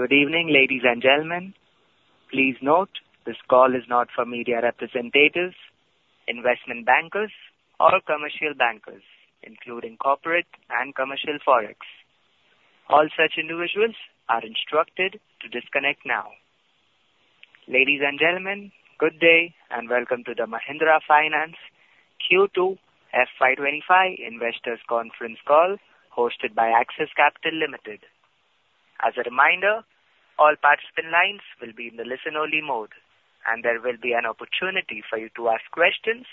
Good evening, ladies and gentlemen. Please note, this call is not for media representatives, investment bankers, or commercial bankers, including corporate and commercial forex. All such individuals are instructed to disconnect now. Ladies and gentlemen, good day, and welcome to the Mahindra Finance Q2 FY25 Investors Conference Call, hosted by Axis Capital Limited. As a reminder, all participant lines will be in the listen-only mode, and there will be an opportunity for you to ask questions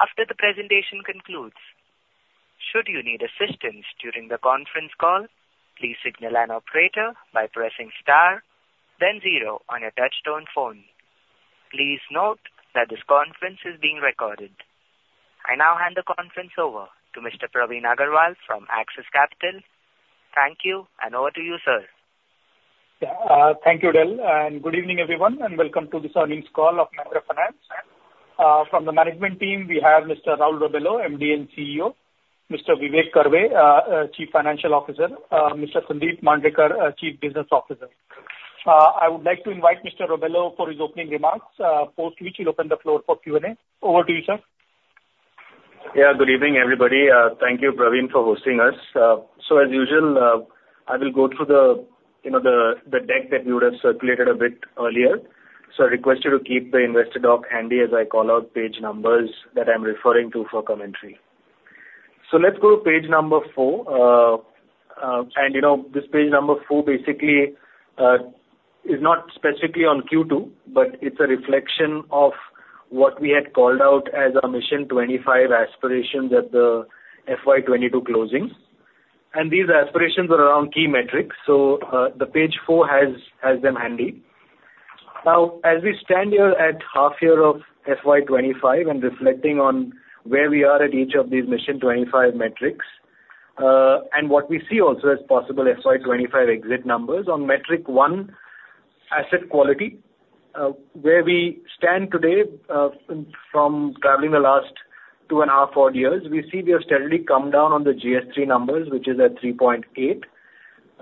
after the presentation concludes. Should you need assistance during the conference call, please signal an operator by pressing star then zero on your touchtone phone. Please note that this conference is being recorded. I now hand the conference over to Mr. Praveen Agarwal from Axis Capital. Thank you, and over to you, sir. Yeah, thank you, Dale, and good evening, everyone, and welcome to this earnings call of Mahindra Finance. From the management team, we have Mr. Raul Rebello, MD and CEO, Mr. Vivek Karve, Chief Financial Officer, Mr. Sandeep Mandrekar, Chief Business Officer. I would like to invite Mr. Rebello for his opening remarks, post which he'll open the floor for Q&A. Over to you, sir. Yeah, good evening, everybody. Thank you, Praveen, for hosting us, so as usual, I will go through the, you know, the deck that we would have circulated a bit earlier. So I request you to keep the investor doc handy as I call out page numbers that I'm referring to for commentary, so let's go to page number 4, and, you know, this page number 4 basically is not specifically on Q2, but it's a reflection of what we had called out as our Mission 25 aspiration at the FY22 closing, and these aspirations are around key metrics, so the page four has them handy. Now, as we stand here at half year of FY25 and reflecting on where we are at each of these Mission 25 metrics, and what we see also as possible FY25 exit numbers, on metric one, asset quality, where we stand today, from traveling the last two and a half odd years, we see we have steadily come down on the GS3 numbers, which is at 3.8,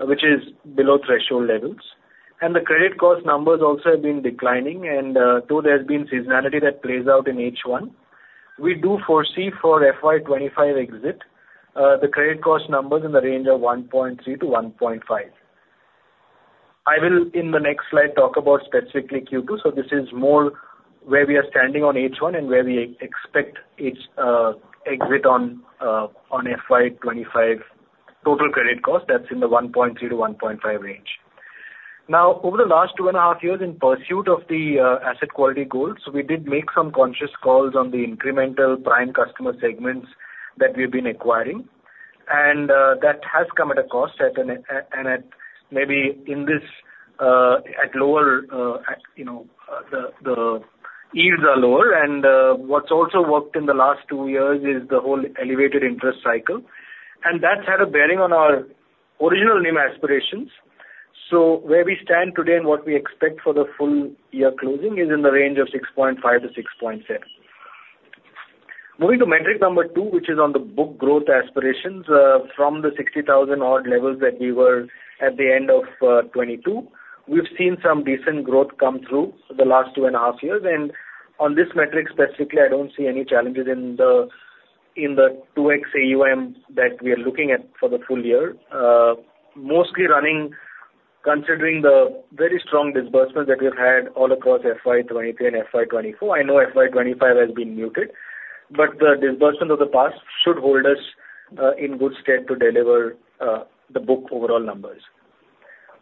which is below threshold levels, and the credit cost numbers also have been declining, and though there has been seasonality that plays out in H1, we do foresee for FY25 exit the credit cost numbers in the range of 1.3-1.5. I will, in the next slide, talk about specifically Q2. So this is more where we are standing on H1 and where we expect its exit on on FY 2025 total credit cost. That's in the 1.3%-1.5% range. Now, over the last two and a half years, in pursuit of the asset quality goals, we did make some conscious calls on the incremental prime customer segments that we've been acquiring. And that has come at a cost, and at maybe in this, at lower, you know, the yields are lower and what's also worked in the last two years is the whole elevated interest cycle, and that's had a bearing on our original NIM aspirations. So where we stand today and what we expect for the full year closing is in the range of 6.5%-6.6%. Moving to metric number two, which is on the book Growth Aspirations, from the 60,000 odd levels that we were at the end of 2022, we've seen some decent growth come through the last two and a half years. And on this metric specifically, I don't see any challenges in the 2x AUM that we are looking at for the full year. Mostly running, considering the very strong disbursements that we've had all across FY 2023 and FY 2024. I know FY 2025 has been muted, but the disbursement of the past should hold us in good stead to deliver the book overall numbers.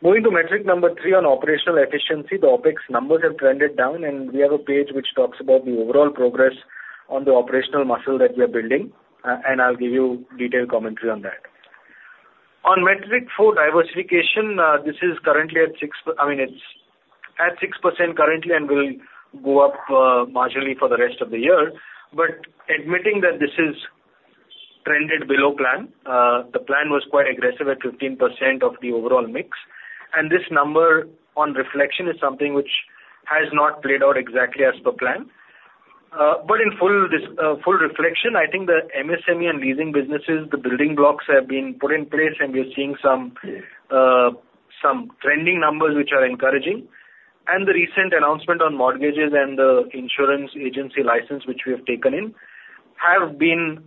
Moving to metric number three on Operational Efficiency, the OpEx numbers have trended down, and we have a page which talks about the overall progress on the operational muscle that we are building, and I'll give you detailed commentary on that. On metric four, diversification, this is currently at 6%. I mean, it's at 6% currently and will go up, marginally for the rest of the year. But admitting that this is trended below plan, the plan was quite aggressive at 15% of the overall mix, and this number on reflection is something which has not played out exactly as per plan. But in full reflection, I think the MSME and leasing businesses, the building blocks have been put in place, and we are seeing some trending numbers, which are encouraging. And the recent announcement on mortgages and the insurance agency license, which we have taken in, have been,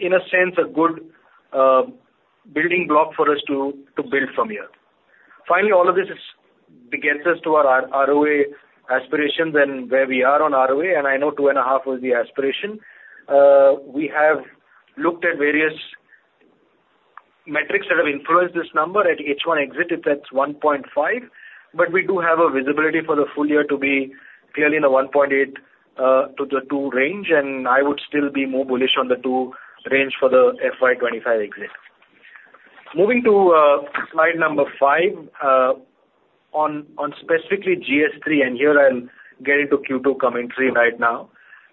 in a sense, a good building block for us to build from here. Finally, all of this is begets us to our ROA aspirations and where we are on ROA, and I know 2.5 was the aspiration. We have looked at various metrics that have influenced this number. At H1 exit, it's at 1.5, but we do have a visibility for the full year to be clearly in the 1.8-2 range, and I would still be more bullish on the 2 range for the FY25 exit. Moving to slide 5, on specifically GS3, and here I'll get into Q2 commentary right now.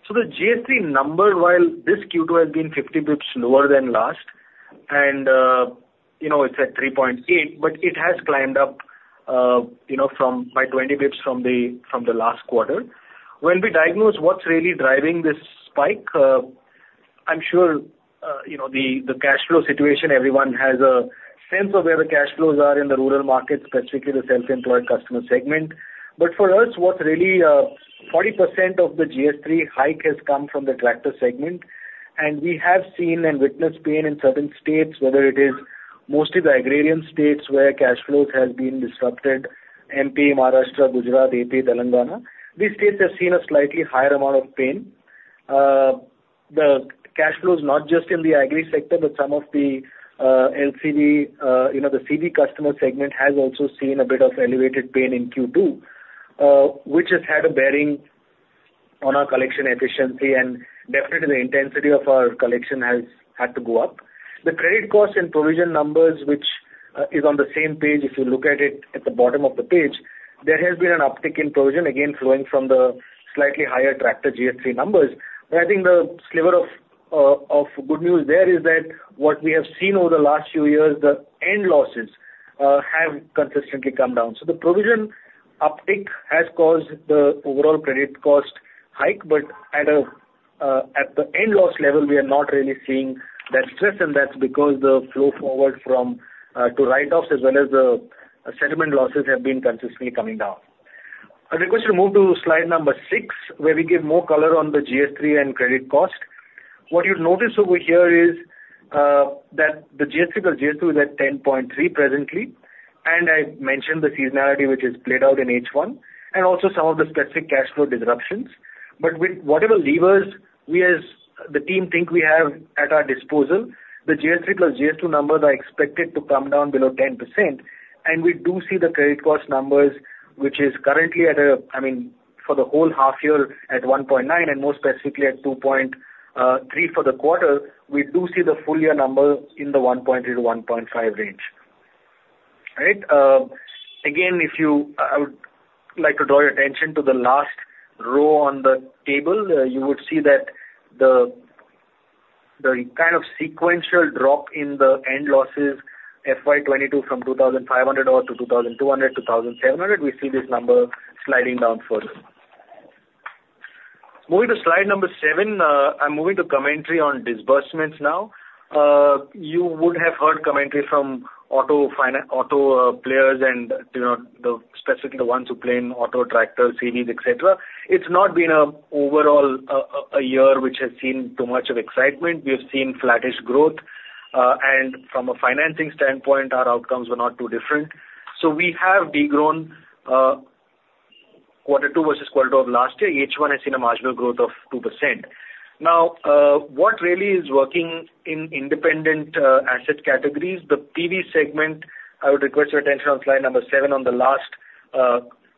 So the GS3 number, while this Q2 has been 50 basis points lower than last, and, you know, it's at 3.8, but it has climbed up, you know, from by 20 basis points from the last quarter. When we diagnose what's really driving this spike, I'm sure, you know, the, the cash flow situation, everyone has a sense of where the cash flows are in the rural market, specifically the self-employed customer segment. But for us, what's really, 40% of the GS3 hike has come from the tractor segment, and we have seen and witnessed pain in certain states, whether it is mostly the agrarian states where cash flows has been disrupted, MP, Maharashtra, Gujarat, AP, Telangana. These states have seen a slightly higher amount of pain. The cash flows, not just in the agri sector, but some of the LCV, you know, the CV customer segment has also seen a bit of elevated pain in Q2, which has had a bearing on our collection efficiency and definitely the intensity of our collection has had to go up. The credit cost and provision numbers, which is on the same page, if you look at it at the bottom of the page, there has been an uptick in provision, again, flowing from the slightly higher tractor GS3 numbers. But I think the sliver of good news there is that what we have seen over the last few years, the end losses have consistently come down. So the provision uptick has caused the overall credit cost hike, but at the end loss level, we are not really seeing that stress, and that's because the flow forward to write-offs as well as the settlement losses have been consistently coming down. I request you to move to slide number 6, where we give more color on the GS3 and credit cost. What you'll notice over here is that the GS3 plus GS2 is at 10.3 presently, and I mentioned the seasonality, which is played out in H1, and also some of the specific cash flow disruptions. But with whatever levers we as the team think we have at our disposal, the GS3 plus GS2 numbers are expected to come down below 10%, and we do see the credit cost numbers, which is currently at—I mean, for the whole half year, at 1.9, and more specifically at 2.3 for the quarter. We do see the full year numbers in the 1.2-1.5 range. Right? Again, if you... I would like to draw your attention to the last row on the table. You would see that the kind of sequential drop in the end losses, FY 2022 from 2,500 odd to 2,200 to 1,700, we see this number sliding down further. Moving to slide number 7, I'm moving to commentary on disbursements now. You would have heard commentary from auto finance players and, you know, specifically the ones who play in auto, tractors, CVs, et cetera. It's not been an overall year which has seen too much of excitement. We have seen flattish growth and from a financing standpoint, our outcomes are not too different. We have degrown quarter two versus quarter of last year. H1 has seen a marginal growth of 2%. Now, what really is working in independent asset categories, the PV segment, I would request your attention on slide number seven on the last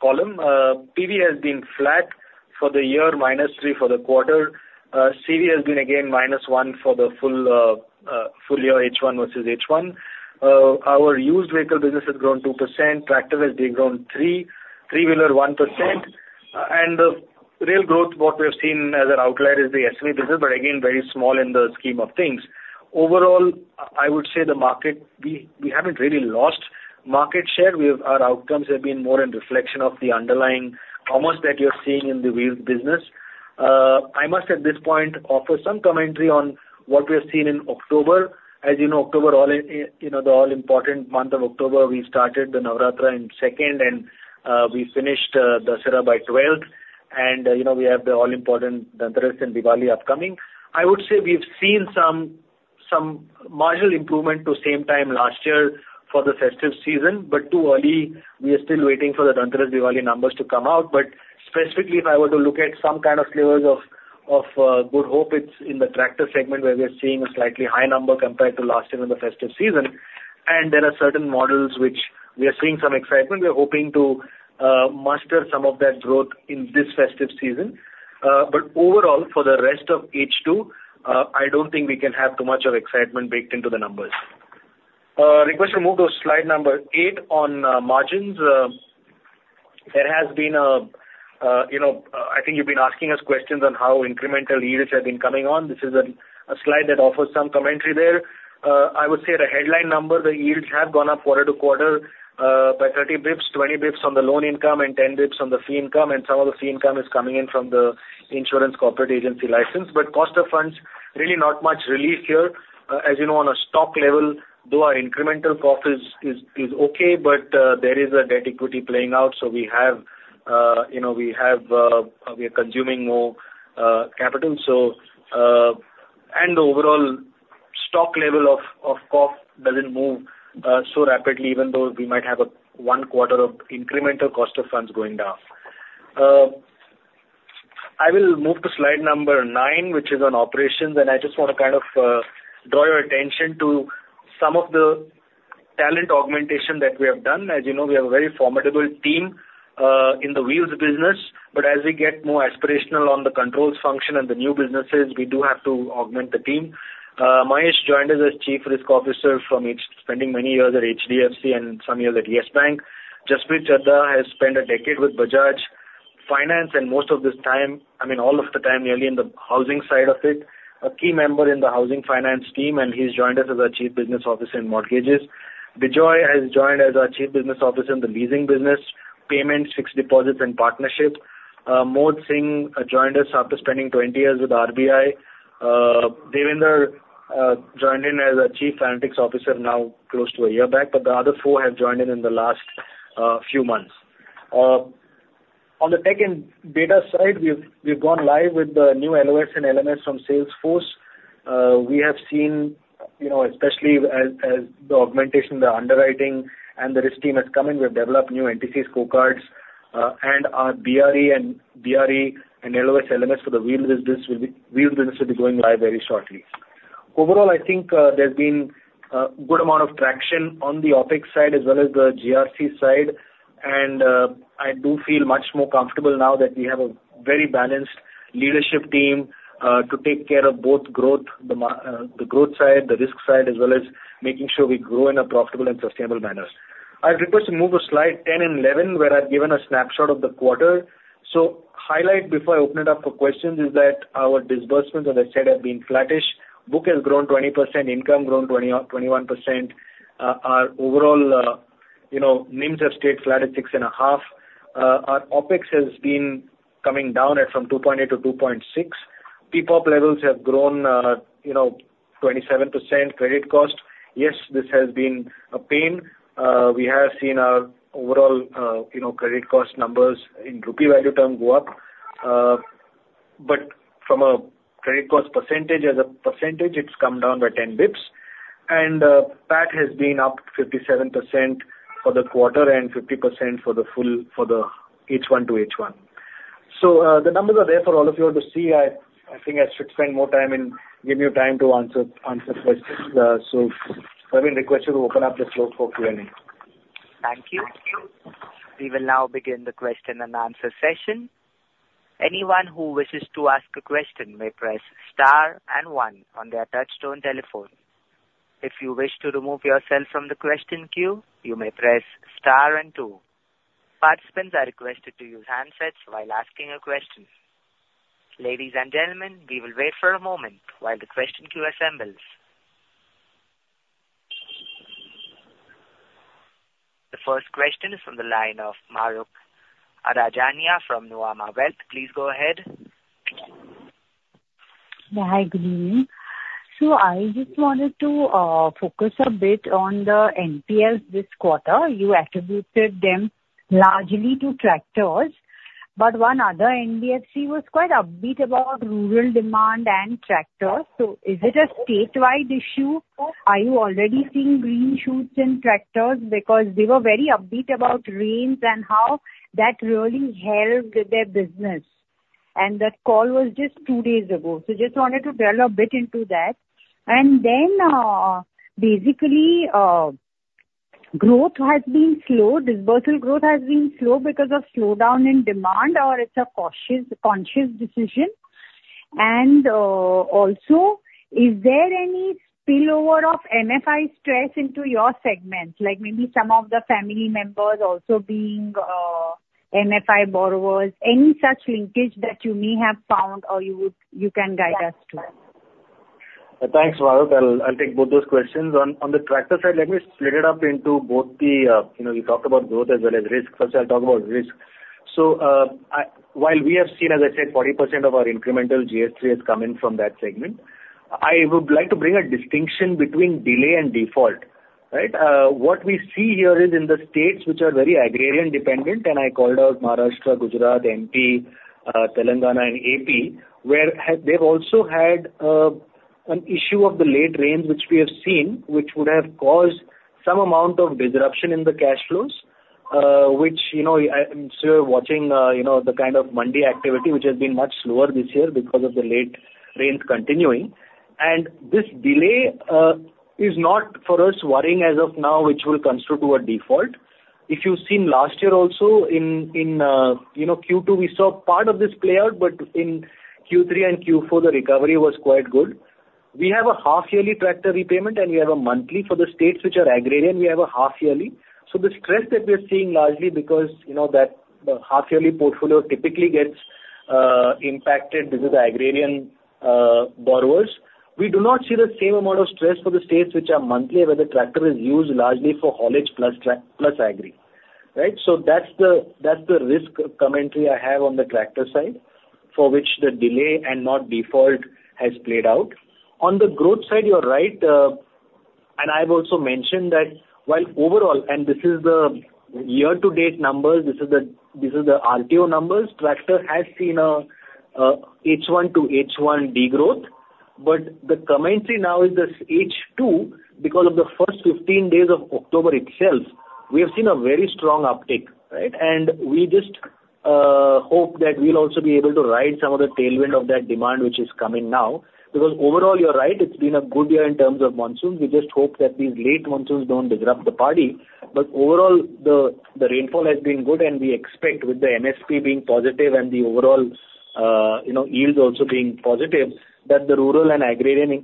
column. PV has been flat for the year, -3% for the quarter. CV has been again, -1% for the full year, H1 versus H1. Our used vehicle business has grown 2%, tractor has degrown 3%, three-wheeler, 1%. And the real growth, what we have seen as an outlier, is the SME business, but again, very small in the scheme of things. Overall, I would say the market, we, we haven't really lost market share. We have. Our outcomes have been more a reflection of the underlying promise that you're seeing in the wheels business. I must, at this point, offer some commentary on what we have seen in October. As you know, October, all in, you know, the all-important month of October, we started the Navaratri in second, and, we finished, Dussehra by twelfth. And, you know, we have the all-important Dhanteras and Diwali upcoming. I would say we've seen some, some marginal improvement to same time last year for the festive season, but too early. We are still waiting for the Dhanteras, Diwali numbers to come out, but specifically, if I were to look at some kind of slivers of good hope, it's in the tractor segment, where we are seeing a slightly high number compared to last year in the festive season, and there are certain models which we are seeing some excitement. We are hoping to muster some of that growth in this festive season, but overall, for the rest of H2, I don't think we can have too much of excitement baked into the numbers. Request to move to slide number eight on margins. There has been a, you know, I think you've been asking us questions on how incremental yields have been coming on. This is a slide that offers some commentary there. I would say the headline number, the yields have gone up quarter to quarter, by 30 basis points, 20 basis points on the loan income and 10 basis points on the fee income, and some of the fee income is coming in from the insurance corporate agency license. But cost of funds, really not much relief here. As you know, on a stock level, though our incremental CoF is okay, but there is a debt equity playing out. So we have, you know, we have, we are consuming more capital. So, and the overall stock level of CoF doesn't move so rapidly, even though we might have a one quarter of incremental cost of funds going down. I will move to slide number nine, which is on operations, and I just want to kind of draw your attention to some of the talent augmentation that we have done. As you know, we have a very formidable team in the wheels business, but as we get more aspirational on the controls function and the new businesses, we do have to augment the team. Mahesh joined us as Chief Risk Officer from HDFC, spending many years at HDFC and some years at Yes Bank. Jaspreet Chadha has spent a decade with Bajaj Finance, and most of this time, I mean, all of the time, nearly in the housing side of it, a key member in the housing finance team, and he's joined us as our Chief Business Officer in Mortgages. Bijoy has joined as our Chief Business Officer in the leasing business, payments, fixed deposits and partnerships. Mohit Singh joined us after spending 20 years with RBI. Davinder joined in as our Chief Analytics Officer now close to a year back, but the other four have joined in in the last few months. On the tech and data side, we've gone live with the new LOS and LMS from Salesforce. We have seen, you know, especially as the augmentation, the underwriting and the risk team has come in, we've developed new entity scorecards, and our BRE and LOS LMS for the wheel business will be going live very shortly. Overall, I think, there's been good amount of traction on the OpEx side as well as the GRC side, and I do feel much more comfortable now that we have a very balanced leadership team to take care of both growth, the growth side, the risk side, as well as making sure we grow in a profitable and sustainable manner. I request to move to slide 10 and 11, where I've given a snapshot of the quarter. So highlight before I open it up for questions is that our disbursements, as I said, have been flattish. Book has grown 20%, income grown 20-21%. Our overall, you know, NIMs have stayed flat at 6.5%. Our OpEx has been coming down from 2.8%-2.6%. PPOP levels have grown, you know, 27%. Credit cost, yes, this has been a pain. We have seen our overall, you know, credit cost numbers in rupee value terms go up, but from a credit cost percentage, as a percentage, it's come down by ten basis points. And, PAT has been up 57% for the quarter and 50% for the full, for the H1 to H1. So, the numbers are there for all of you all to see. I think I should spend more time and give you time to answer questions. So I will request you to open up the floor for Q&A. Thank you. We will now begin the question and answer session. Anyone who wishes to ask a question may press star and one on their touchtone telephone. If you wish to remove yourself from the question queue, you may press star and two. Participants are requested to use handsets while asking a question. Ladies and gentlemen, we will wait for a moment while the question queue assembles. The first question is from the line of Mahrukh Adajania from Nuvama Wealth. Please go ahead. Hi, good evening. So I just wanted to focus a bit on the NPLs this quarter. You attributed them largely to tractors, but one other NBFC was quite upbeat about rural demand and tractors. So is it a statewide issue? Are you already seeing green shoots in tractors? Because they were very upbeat about rains and how that really helped their business. And that call was just two days ago, so just wanted to drill a bit into that. And then, basically, growth has been slow, disbursal growth has been slow because of slowdown in demand, or it's a cautious, conscious decision? And also, is there any spillover of MFI stress into your segments, like maybe some of the family members also being MFI borrowers, any such linkage that you may have found or you would, you can guide us to? Thanks, Mahrukh. I'll take both those questions. On the tractor side, let me split it up into both the, you know, you talked about growth as well as risk. First, I'll talk about risk. While we have seen, as I said, 40% of our incremental GS3 has come in from that segment, I would like to bring a distinction between delay and default, right? What we see here is in the states which are very agrarian dependent, and I called out Maharashtra, Gujarat, MP, Telangana and AP, where they've also had an issue of the late rains, which we have seen, which would have caused some amount of disruption in the cash flows, which, you know, I, I'm sure you're watching, you know, the kind of mandi activity, which has been much slower this year because of the late rains continuing. And this delay is not for us worrying as of now, which will constitute a default. If you've seen last year also in you know, Q2, we saw part of this play out, but in Q3 and Q4, the recovery was quite good. We have a half-yearly tractor repayment, and we have a monthly. For the states which are agrarian, we have a half-yearly. The stress that we are seeing largely because, you know, that the half-yearly portfolio typically gets impacted due to the agrarian borrowers. We do not see the same amount of stress for the states which are monthly, where the tractor is used largely for haulage plus agri, right? That's the, that's the risk commentary I have on the tractor side, for which the delay and not default has played out. On the growth side, you're right, and I've also mentioned that while overall, and this is the year-to-date numbers, this is the, this is the RTO numbers, tractor has seen a H1 to H1 degrowth. But the commentary now is this H2, because of the first 15 days of October itself, we have seen a very strong uptick, right? And we just hope that we'll also be able to ride some of the tailwind of that demand, which is coming now. Because overall, you're right, it's been a good year in terms of monsoon. We just hope that these late monsoons don't disrupt the party. But overall, the rainfall has been good, and we expect with the MSP being positive and the overall, you know, yields also being positive, that the rural and agrarian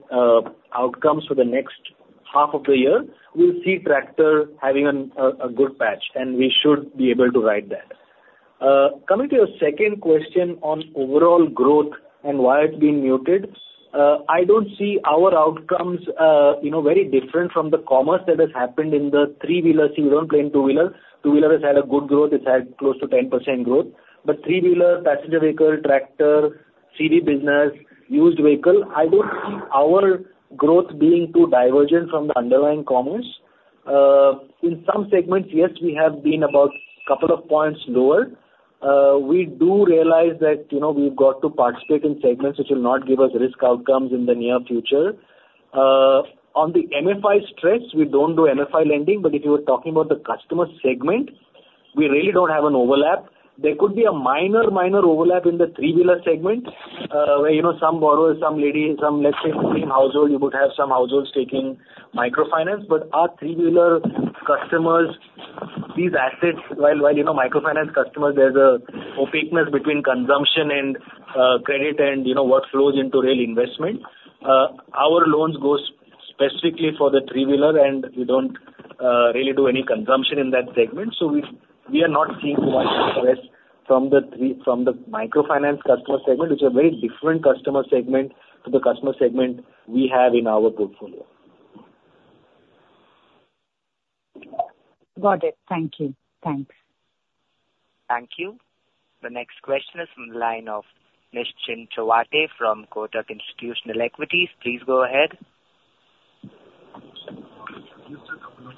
outcomes for the next half of the year, we'll see tractor having a good patch, and we should be able to ride that. Coming to your second question on overall growth and why it's been muted, I don't see our outcomes, you know, very different from the commerce that has happened in the three-wheeler scene. We don't play in two-wheeler. Two-wheeler has had a good growth. It's had close to 10% growth. But three-wheeler, passenger vehicle, tractor, CV business, used vehicle, I don't see our growth being too divergent from the underlying commerce. In some segments, yes, we have been about couple of points lower. We do realize that, you know, we've got to participate in segments which will not give us risk outcomes in the near future. On the MFI stress, we don't do MFI lending, but if you are talking about the customer segment, we really don't have an overlap. There could be a minor, minor overlap in the three-wheeler segment, where, you know, some borrowers, some lady, some, let's say, in the same household, you would have some households taking microfinance. But our three-wheeler customers, these assets, while, you know, microfinance customers, there's a opaqueness between consumption and credit and, you know, what flows into real investment. Our loans goes specifically for the three-wheeler, and we don't really do any consumption in that segment. So we are not seeing too much stress from the three- from the microfinance customer segment, which are very different customer segment to the customer segment we have in our portfolio. Got it. Thank you. Thanks. Thank you. The next question is from the line of Nischint Chawathe from Kotak Institutional Equities. Please go ahead. Just a couple of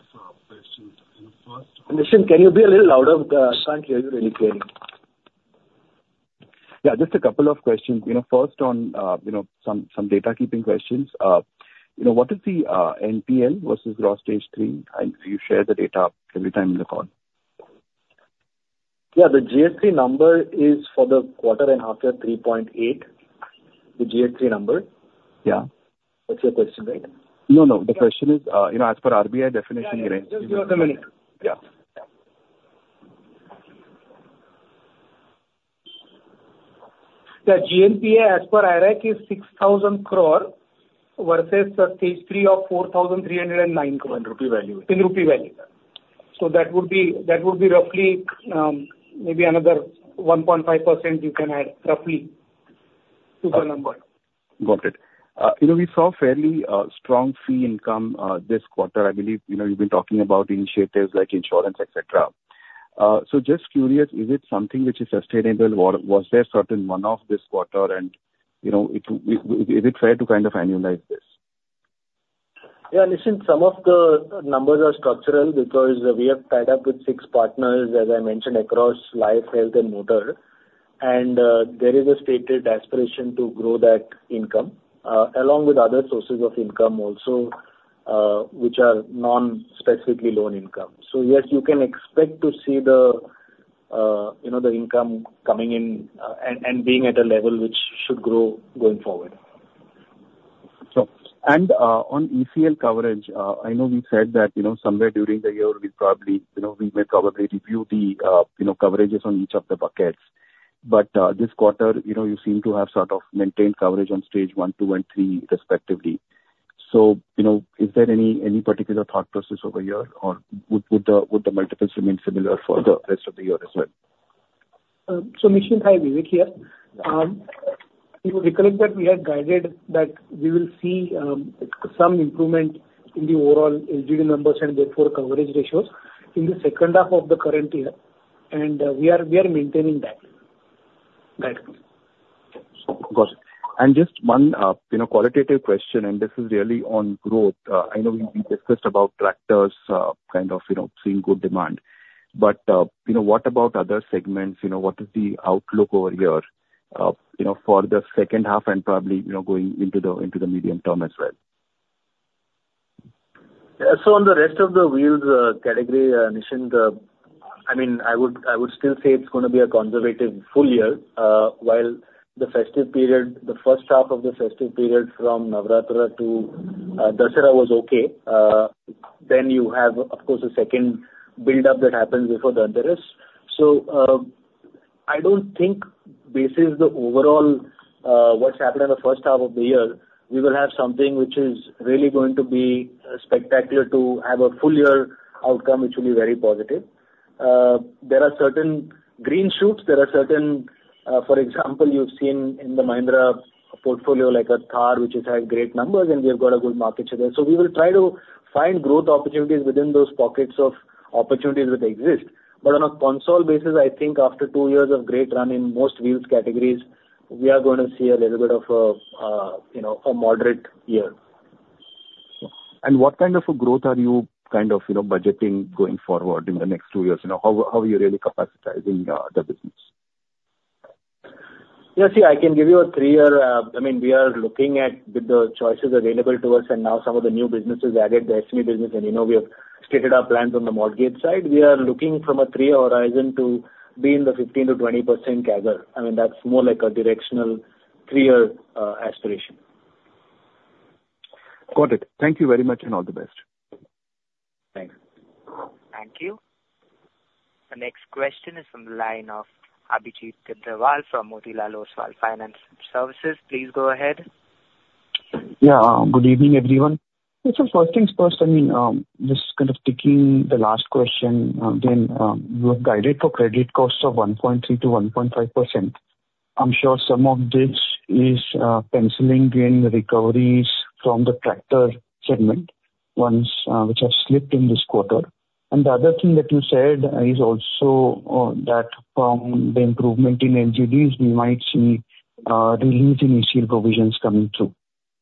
questions. You know, first- Nischint, can you be a little louder? I can't hear you really clearly. Yeah, just a couple of questions. You know, first on, you know, some data-keeping questions. You know, what is the NPL versus gross stage 3? And do you share the data every time in the call? Yeah, the GS3 number is for the quarter and half year, 3.8. Yeah. That's your question, right? No, no. The question is, you know, as per RBI definition, right? The GNPA, as per IRAC, is 6,000 crore, versus the Stage 3 of 4,309 crore. In rupee value. In rupee value. So that would be, that would be roughly, maybe another 1.5% you can add, roughly, to the number. Got it. You know, we saw fairly strong fee income this quarter. I believe, you know, you've been talking about initiatives like insurance, et cetera, so just curious, is it something which is sustainable, or was there certain one-off this quarter? and you know, is it fair to kind of annualize this? Yeah, Nischint, some of the numbers are structural because we have tied up with six partners, as I mentioned, across life, health, and motor. And, there is a stated aspiration to grow that income, along with other sources of income also, which are non-specifically loan income. So yes, you can expect to see the, you know, the income coming in, and being at a level which should grow going forward. On ECL coverage, I know you said that, you know, somewhere during the year we'll probably, you know, we may probably review the coverages on each of the buckets. But this quarter, you know, you seem to have sort of maintained coverage on Stage 1, 2, and 3, respectively. So, you know, is there any particular thought process over here? Or would the multiples remain similar for the rest of the year as well? So, Nischint, hi, Vivek here. You recall that we had guided that we will see some improvement in the overall LGD numbers and therefore coverage ratios in the second half of the current year, and we are maintaining that. Got it. And just one, you know, qualitative question, and this is really on growth. I know we discussed about tractors, kind of, you know, seeing good demand, but, you know, what about other segments? You know, what is the outlook over here, you know, for the second half and probably, you know, going into the medium term as well? Yeah. So on the rest of the wheels category, Nischint, I mean, I would still say it's gonna be a conservative full year. While the festive period, the first half of the festive period from Navaratri to Dussehra was okay, then you have, of course, a second buildup that happens before Diwali. I don't think basis the overall what's happened in the first half of the year, we will have something which is really going to be spectacular to have a full year outcome, which will be very positive. There are certain green shoots, there are certain... For example, you've seen in the Mahindra portfolio, like Thar, which has had great numbers, and we have got a good market share. So we will try to find growth opportunities within those pockets of opportunities which exist. But on a consolidated basis, I think after two years of great run in most wheels categories, we are going to see a little bit of, you know, a moderate year. What kind of a growth are you kind of, you know, budgeting going forward in the next two years? You know, how are you really capacitating the business? Yeah, see, I can give you a three-year, I mean, we are looking at with the choices available to us, and now some of the new businesses added, the SME business, and, you know, we have stated our plans on the mortgage side. We are looking from a three-year horizon to be in the 15%-20% CAGR. I mean, that's more like a directional three-year aspiration. Got it. Thank you very much, and all the best. Thanks. Thank you. The next question is from the line of Abhijit Kundra from Motilal Oswal Financial Services. Please go ahead. Yeah, good evening, everyone. So first things first, I mean, just kind of taking the last question, again, you have guided for credit costs of 1.3%-1.5%. I'm sure some of this is, penciling in the recoveries from the tractor segment, ones, which have slipped in this quarter. And the other thing that you said is also, that from the improvement in LGDs, we might see, release in initial provisions coming through.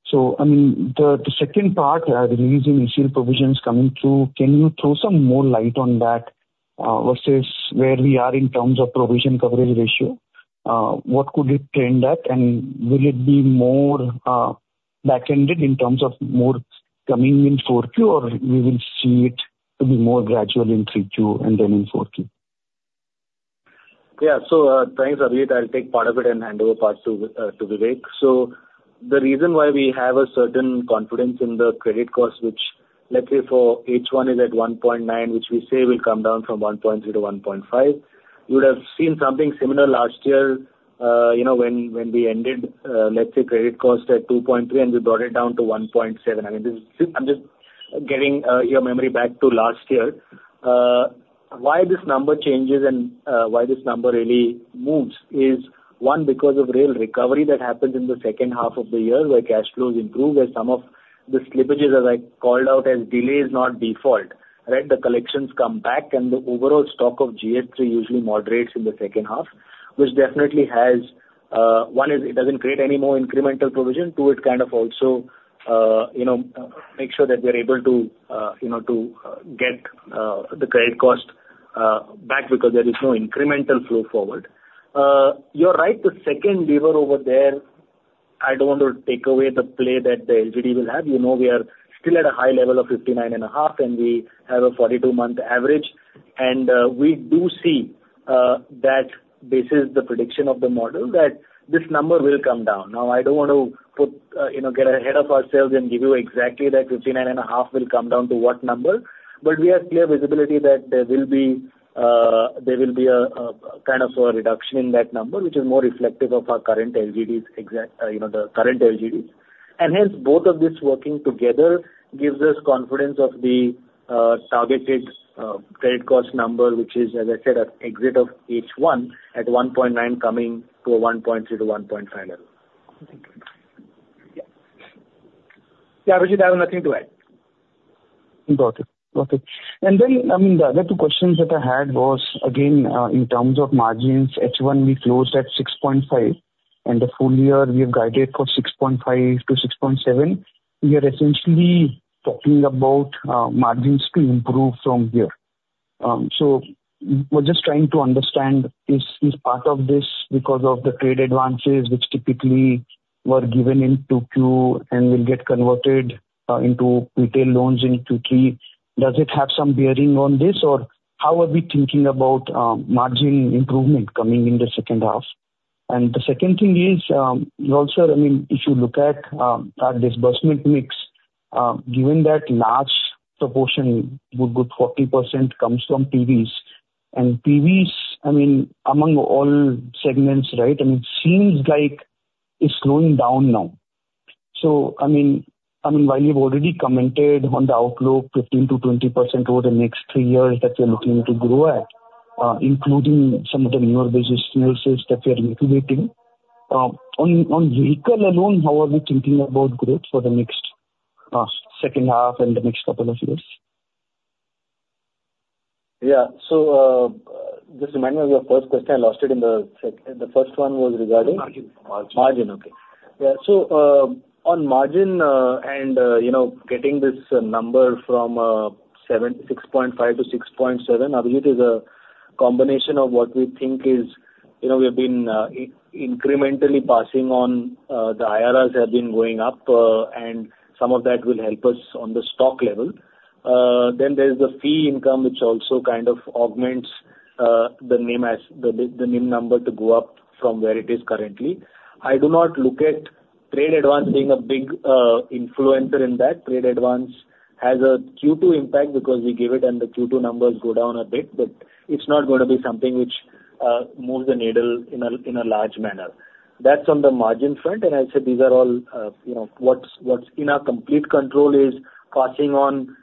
So, I mean, the, the second part, release in initial provisions coming through, can you throw some more light on that, versus where we are in terms of provision coverage ratio? What could it end up, and will it be more back-ended in terms of more coming in four Q or we will see it to be more gradual in three Q and then in four Q? Yeah. So, thanks, Abhijit. I'll take part of it and hand over parts to, to Vivek. So the reason why we have a certain confidence in the credit cost, which let's say for H1 is at 1.9, which we say will come down from 1.3 to 1.5, you would have seen something similar last year, you know, when we ended, let's say, credit cost at 2.3 and we brought it down to 1.7. I mean, this is. I'm just getting your memory back to last year. Why this number changes and, why this number really moves is, one, because of real recovery that happened in the second half of the year, where cash flows improved and some of the slippages, as I called out, as delays, not default, right? The collections come back and the overall stock of GS3 usually moderates in the second half, which definitely has one, it doesn't create any more incremental provision. Two, it kind of also, you know, make sure that we're able to, you know, to get the credit cost back because there is no incremental flow forward. You're right, the second lever over there, I don't want to take away the play that the LGD will have. You know, we are still at a high level of 59.5 and we have a 42-month average. We do see that this is the prediction of the model, that this number will come down. Now, I don't want to put you know, get ahead of ourselves and give you exactly that 59.5 will come down to what number, but we have clear visibility that there will be a kind of a reduction in that number, which is more reflective of our current LGDs. Exactly, you know, the current LGDs. And hence, both of these working together gives us confidence of the targeted credit cost number, which is, as I said, at exit of H1 at 1.9, coming to a 1.3-1.5 level. Thank you. Yeah, Abhijit, I have nothing to add. Got it. Okay. And then, I mean, the other two questions that I had was, again, in terms of margins, H1, we closed at 6.5%, and the full year we have guided for 6.5%-6.7%. We are essentially talking about, margins to improve from here. So we're just trying to understand, is part of this because of the trade advances which typically were given in 2Q and will get converted, into retail loans in 2Q? Does it have some bearing on this, or how are we thinking about, margin improvement coming in the second half? And the second thing is, you also, I mean, if you look at our disbursement mix, given that large proportion, a good 40% comes from PVs, and PVs, I mean, among all segments, right, I mean, it seems like it's slowing down now. So, I mean, while you've already commented on the outlook, 15%-20% over the next three years that you're looking to grow at, including some of the newer businesses that you're incubating, on vehicle alone, how are we thinking about growth for the next second half and the next couple of years? Yeah. So, just remind me of your first question. I lost it. The first one was regarding? Margin. Margin. Okay. Yeah, so, on margin and, you know, getting this number from 6.5%-6.7%, I think it is a combination of what we think is, you know, we have been incrementally passing on, the IRRs have been going up, and some of that will help us on the stock level. Then there's the fee income, which also kind of augments the NIM, the NIM number to go up from where it is currently. I do not look at trade advance being a big influencer in that. Trade advance has a Q2 impact because we give it and the Q2 numbers go down a bit, but it's not going to be something which moves the needle in a large manner. That's on the margin front, and I said these are all, you know, what's in our complete control is passing on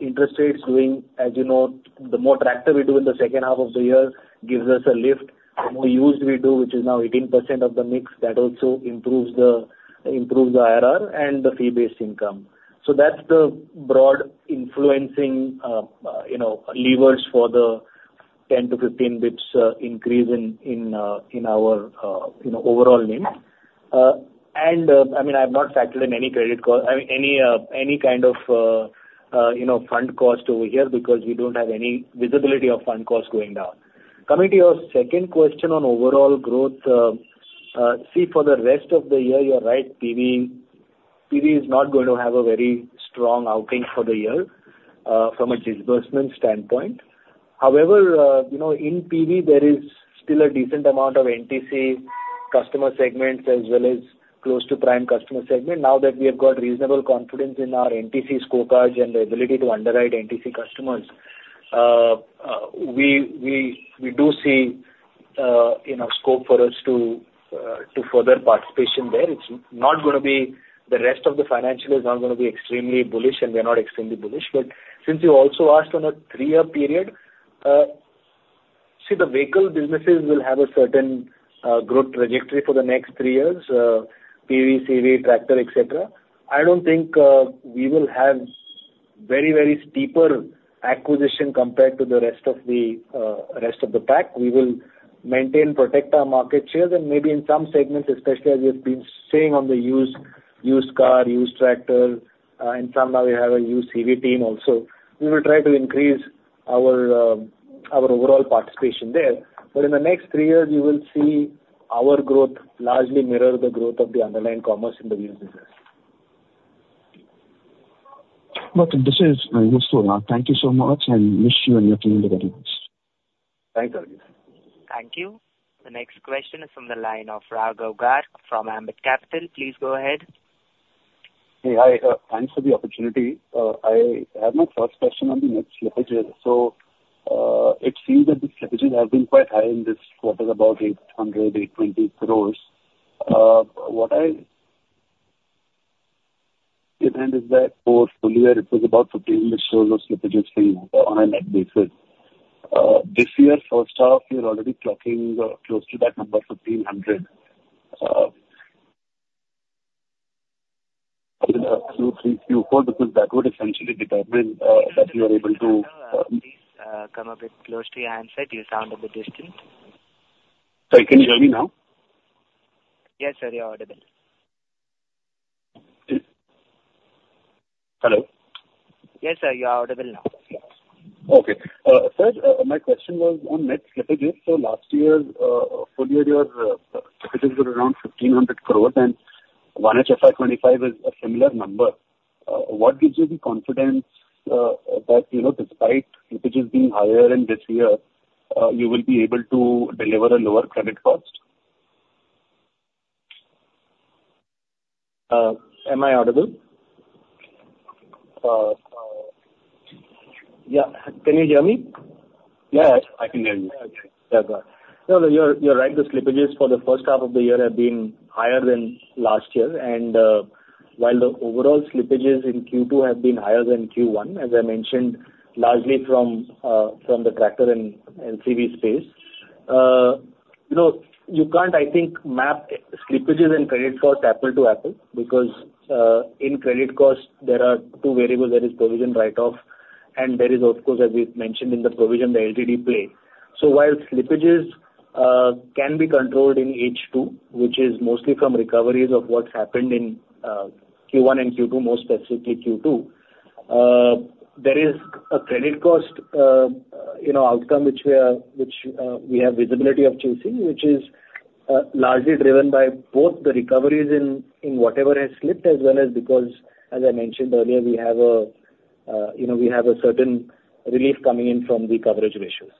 interest rates, doing, as you know, the more tractor we do in the second half of the year gives us a lift. The more used we do, which is now 18% of the mix, that also improves the IRR and the fee-based income. So that's the broad influencing, you know, levers for the 10-15 basis points increase in our overall NIM. And, I mean, I've not factored in any credit cost, I mean, any kind of fund cost over here because we don't have any visibility of fund costs going down. Coming to your second question on overall growth, for the rest of the year, you're right, PV is not going to have a very strong outing for the year from a disbursement standpoint. However, you know, in PV, there is still a decent amount of NTC customer segments as well as close to prime customer segment. Now that we have got reasonable confidence in our NTC scorecards and the ability to underwrite NTC customers, we do see you know, scope for us to further participation there. It's not gonna be, the rest of the financial is not gonna be extremely bullish, and we are not extremely bullish. But since you also asked on a three-year period, see, the vehicle businesses will have a certain growth trajectory for the next three years, PV, CV, tractor, et cetera. I don't think we will have very, very steeper acquisition compared to the rest of the rest of the pack. We will maintain, protect our market shares, and maybe in some segments, especially as we've been seeing on the used car, used tractor, in some now we have a used CV team also. We will try to increase our overall participation there. But in the next three years, you will see our growth largely mirror the growth of the underlying commerce in the used business. Okay, this is [Kundra]. Thank you so much, and wish you and your team the very best. Thank you. Thank you. The next question is from the line of Raghav Garg from Ambit Capital. Please go ahead. Hey. Hi, thanks for the opportunity. I have my first question on the net slippages, so it seems that the slippages have been quite high in this quarter, about 800-820 crores. Is that for full year, it was about 1,500 crores of slippages on a net basis. This year, first half, we are already clocking close to that number, 1,500. Q3, Q4, because that would essentially determine that we are able to, Hello, please, come a bit close to your handset. You sound a bit distant. Can you hear me now? Yes, sir, you are audible. Hello? Yes, sir, you are audible now. Okay. First, my question was on net slippages. So last year, full year, your slippages were around fifteen hundred crores, and 1H FY25 is a similar number. What gives you the confidence that, you know, despite slippages being higher in this year, you will be able to deliver a lower credit cost? Am I audible? Yeah. Can you hear me? Yes, I can hear you. Okay. Yeah, good. No, no, you're, you're right. The slippages for the first half of the year have been higher than last year. And while the overall slippages in Q2 have been higher than Q1, as I mentioned, largely from the tractor and LCV space. You know, you can't, I think, map slippages and credit cost apple to apple, because in credit costs, there are two variables. There is provision write-off, and there is, of course, as we've mentioned in the provision, the LGD play. So while slippages can be controlled in H2, which is mostly from recoveries of what happened in Q1 and Q2, more specifically Q2, there is a credit cost, you know, outcome, which we are... which, we have visibility of choosing, which is, largely driven by both the recoveries in whatever has slipped, as well as because, as I mentioned earlier, we have a, you know, we have a certain relief coming in from the coverage ratios.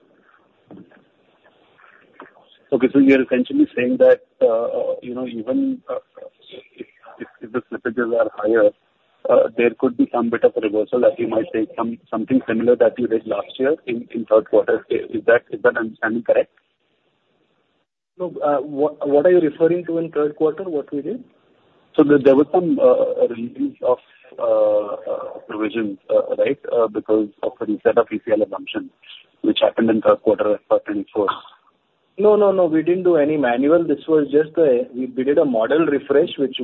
Okay. So you're essentially saying that, you know, even if the slippages are higher, there could be some bit of a reversal, as you might say, something similar that you did last year in third quarter. Is that understanding correct? No, what are you referring to in third quarter? What we did? There was some release of provisions, right? Because of a set of ECL assumptions, which happened in the third quarter of 2024. No, no, no, we didn't do any manual. This was just a model refresh, which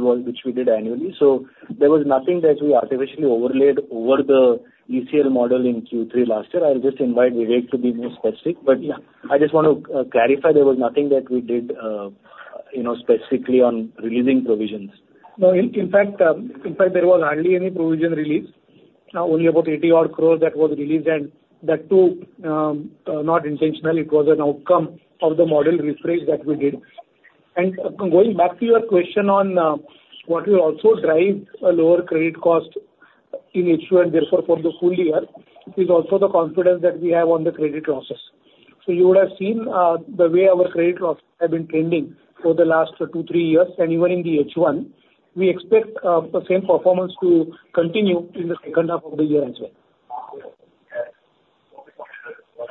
we did annually. So there was nothing that we artificially overlaid over the ECL model in Q3 last year. I'll just invite Vivek to be more specific. But yeah, I just want to clarify, there was nothing that we did, you know, specifically on releasing provisions. No, in fact, there was hardly any provision released. Only about 80 odd crores that was released, and that too, not intentional, it was an outcome of the model refresh that we did. Going back to your question on what will also drive a lower credit cost in H2 and therefore for the full year, is also the confidence that we have on the credit losses. You would have seen the way our credit losses have been trending for the last two, three years, and even in the H1. We expect the same performance to continue in the second half of the year as well.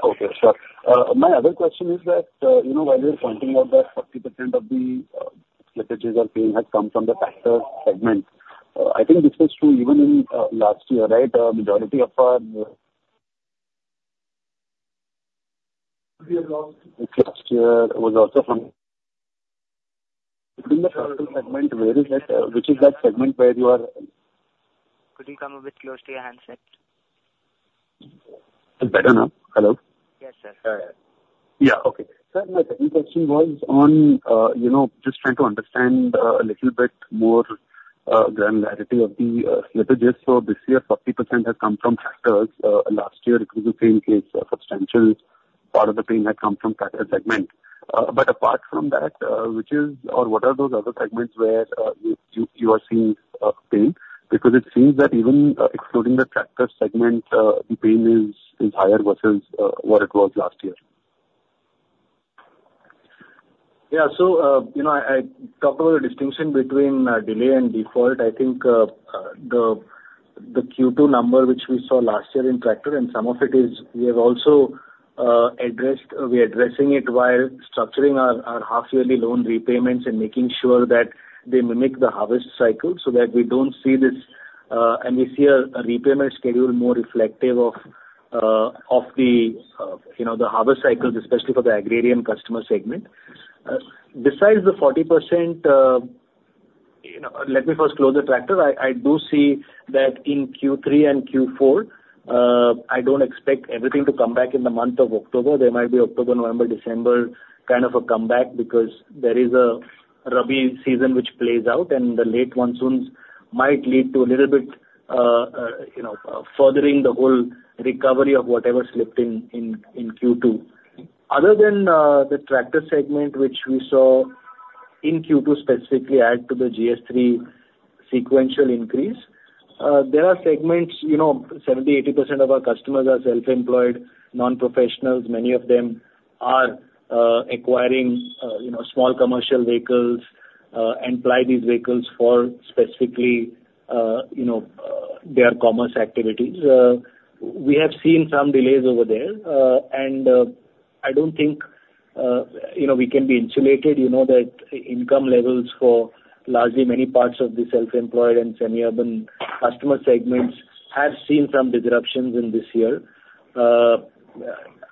Okay, sure. My other question is that, you know, while you're pointing out that 40% of the slippages are paying have come from the tractor segment, I think this was true even in last year, right? Majority of our... Last year was also from. In the tractor segment, where is that? Which is that segment where you are- Could you come a bit close to your handset? Better now? Hello. Yes, sir. Yeah. Okay. Sir, my second question was on, you know, just trying to understand, a little bit more, granularity of the, slippages. So this year, 40% has come from tractors. Last year, it was the same case, a substantial part of the pain had come from tractor segment. But apart from that, which is, or what are those other segments where, you are seeing, pain? Because it seems that even, excluding the tractor segment, the pain is higher versus, what it was last year. .Yeah, so, you know, I talked about the distinction between delay and default. I think the Q2 number, which we saw last year in tractor, and some of it is we have also addressed, we're addressing it while structuring our half-yearly loan repayments and making sure that they mimic the harvest cycle, so that we don't see this, and we see a repayment schedule more reflective of the harvest cycles, especially for the agrarian customer segment. Besides the 40%, you know, let me first close the tractor. I do see that in Q3 and Q4, I don't expect everything to come back in the month of October. There might be October, November, December kind of a comeback, because there is a Rabi season which plays out, and the late monsoons might lead to a little bit you know furthering the whole recovery of whatever slipped in Q2. Other than the tractor segment, which we saw in Q2 specifically add to the GS3 sequential increase, there are segments. You know 70-80% of our customers are self-employed non-professionals. Many of them are acquiring you know small commercial vehicles and ply these vehicles for specifically you know their commerce activities. We have seen some delays over there and I don't think you know we can be insulated. You know that income levels for largely many parts of the self-employed and semi-urban customer segments have seen some disruptions in this year.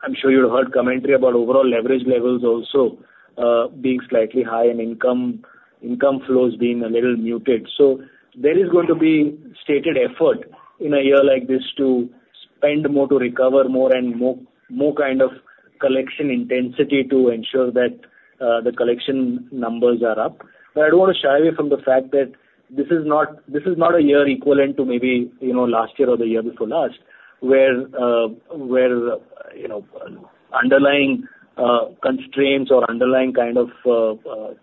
I'm sure you've heard commentary about overall leverage levels also being slightly high and income, income flows being a little muted. So there is going to be sustained effort in a year like this to spend more, to recover more, and more kind of collection intensity to ensure that the collection numbers are up. But I don't want to shy away from the fact that this is not a year equivalent to maybe, you know, last year or the year before last, where, where, you know, underlying constraints or underlying kind of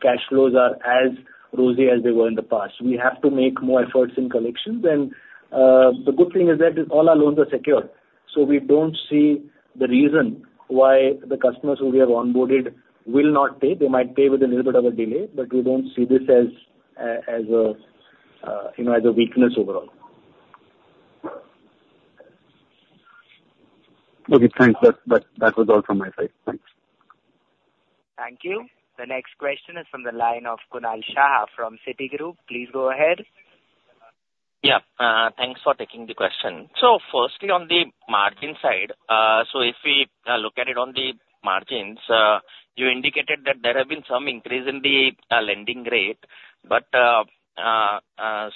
cash flows are as rosy as they were in the past. We have to make more efforts in collections. The good thing is that all our loans are secure, so we don't see the reason why the customers who we have onboarded will not pay. They might pay with a little bit of a delay, but we don't see this as, you know, a weakness overall. Okay, thanks. That was all from my side. Thanks. Thank you. The next question is from the line of Kunal Shah from Citigroup. Please go ahead. Yeah. Thanks for taking the question. So firstly, on the margin side, so if we look at it on the margins, you indicated that there have been some increase in the lending rate. But,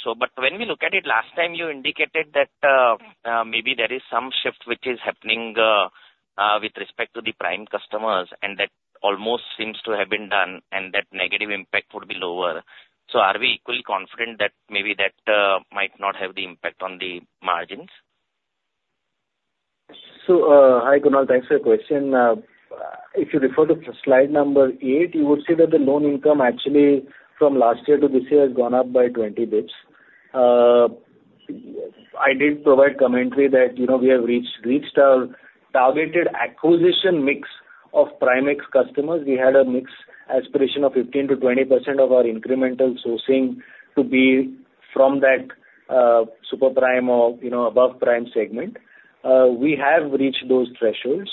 so but when we look at it, last time you indicated that maybe there is some shift which is happening with respect to the prime customers, and that almost seems to have been done, and that negative impact would be lower. So are we equally confident that maybe that might not have the impact on the margins? Hi, Kunal. Thanks for your question. If you refer to slide number 8, you would see that the loan income actually from last year to this year has gone up by 20 basis points. I did provide commentary that, you know, we have reached our targeted acquisition mix of prime mix customers. We had a mix aspiration of 15%-20% of our incremental sourcing to be from that, super prime or, you know, above prime segment. We have reached those thresholds.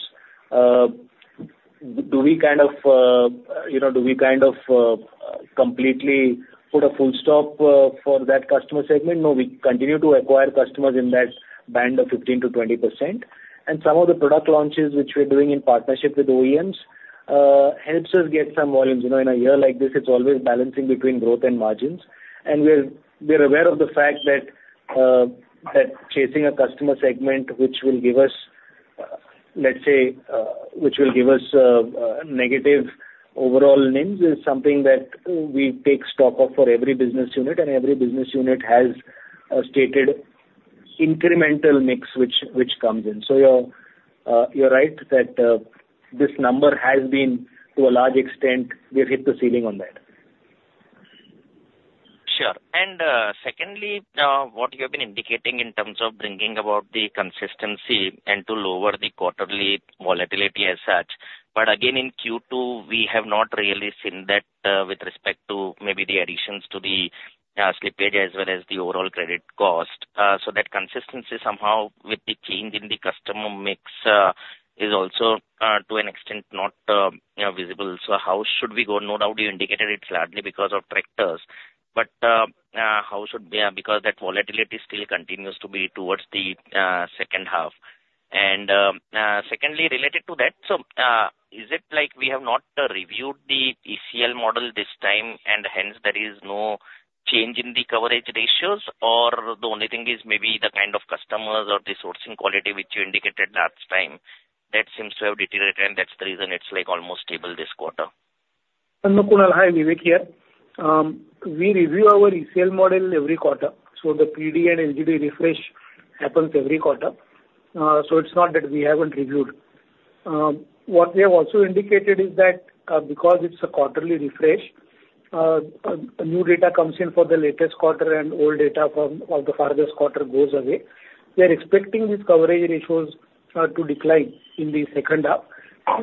Do we kind of, you know, completely put a full stop for that customer segment? No, we continue to acquire customers in that band of 15%-20%. And some of the product launches, which we're doing in partnership with OEMs, helps us get some volumes. You know, in a year like this, it's always balancing between growth and margins. And we're aware of the fact that chasing a customer segment which will give us, let's say, negative overall NIMs, is something that we take stock of for every business unit, and every business unit has a stated incremental mix which comes in. So you're right, that this number has been, to a large extent, we've hit the ceiling on that. Sure. And secondly, what you have been indicating in terms of bringing about the consistency and to lower the quarterly volatility as such, but again, in Q2, we have not really seen that with respect to maybe the additions to the slippage as well as the overall credit cost. So that consistency somehow with the change in the customer mix is also to an extent not, you know, visible. So how should we go? No doubt, you indicated it's largely because of tractors, but how should... Yeah, because that volatility still continues to be towards the second half. And secondly, related to that, so is it like we have not reviewed the ECL model this time, and hence there is no change in the coverage ratios? Or the only thing is maybe the kind of customers or the sourcing quality which you indicated last time, that seems to have deteriorated, and that's the reason it's, like, almost stable this quarter. Kunal, hi, Vivek here. We review our ECL model every quarter, so the PD and LGD refresh happens every quarter. So it's not that we haven't reviewed. What we have also indicated is that, because it's a quarterly refresh, new data comes in for the latest quarter and old data from the farthest quarter goes away. We are expecting these coverage ratios to decline in the second half,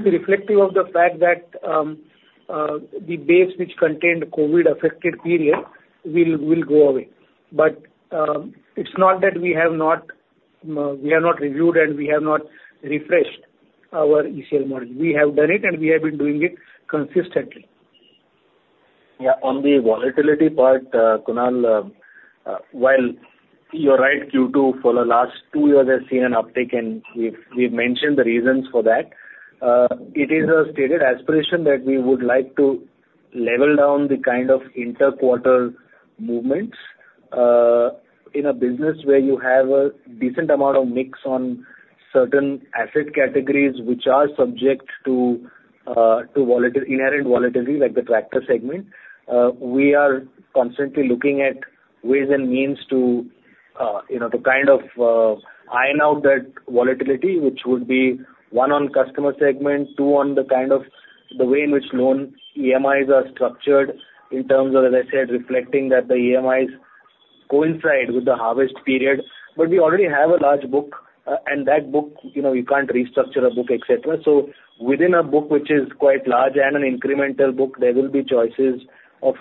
reflective of the fact that the base which contained COVID affected period will go away. But it's not that we have not reviewed and we have not refreshed our ECL model. We have done it, and we have been doing it consistently. Yeah, on the volatility part, Kunal, while you're right, Q2 for the last two years have seen an uptick, and we've mentioned the reasons for that. It is a stated aspiration that we would like to level down the kind of inter-quarter movements. In a business where you have a decent amount of mix on certain asset categories which are subject to inherent volatility, like the tractor segment, we are constantly looking at ways and means to, you know, to kind of iron out that volatility, which would be, one, on customer segment, two, on the kind of the way in which loan EMIs are structured in terms of, as I said, reflecting that the EMIs coincide with the harvest period. But we already have a large book, and that book, you know, you can't restructure a book, et cetera. So within a book which is quite large and an incremental book, there will be choices of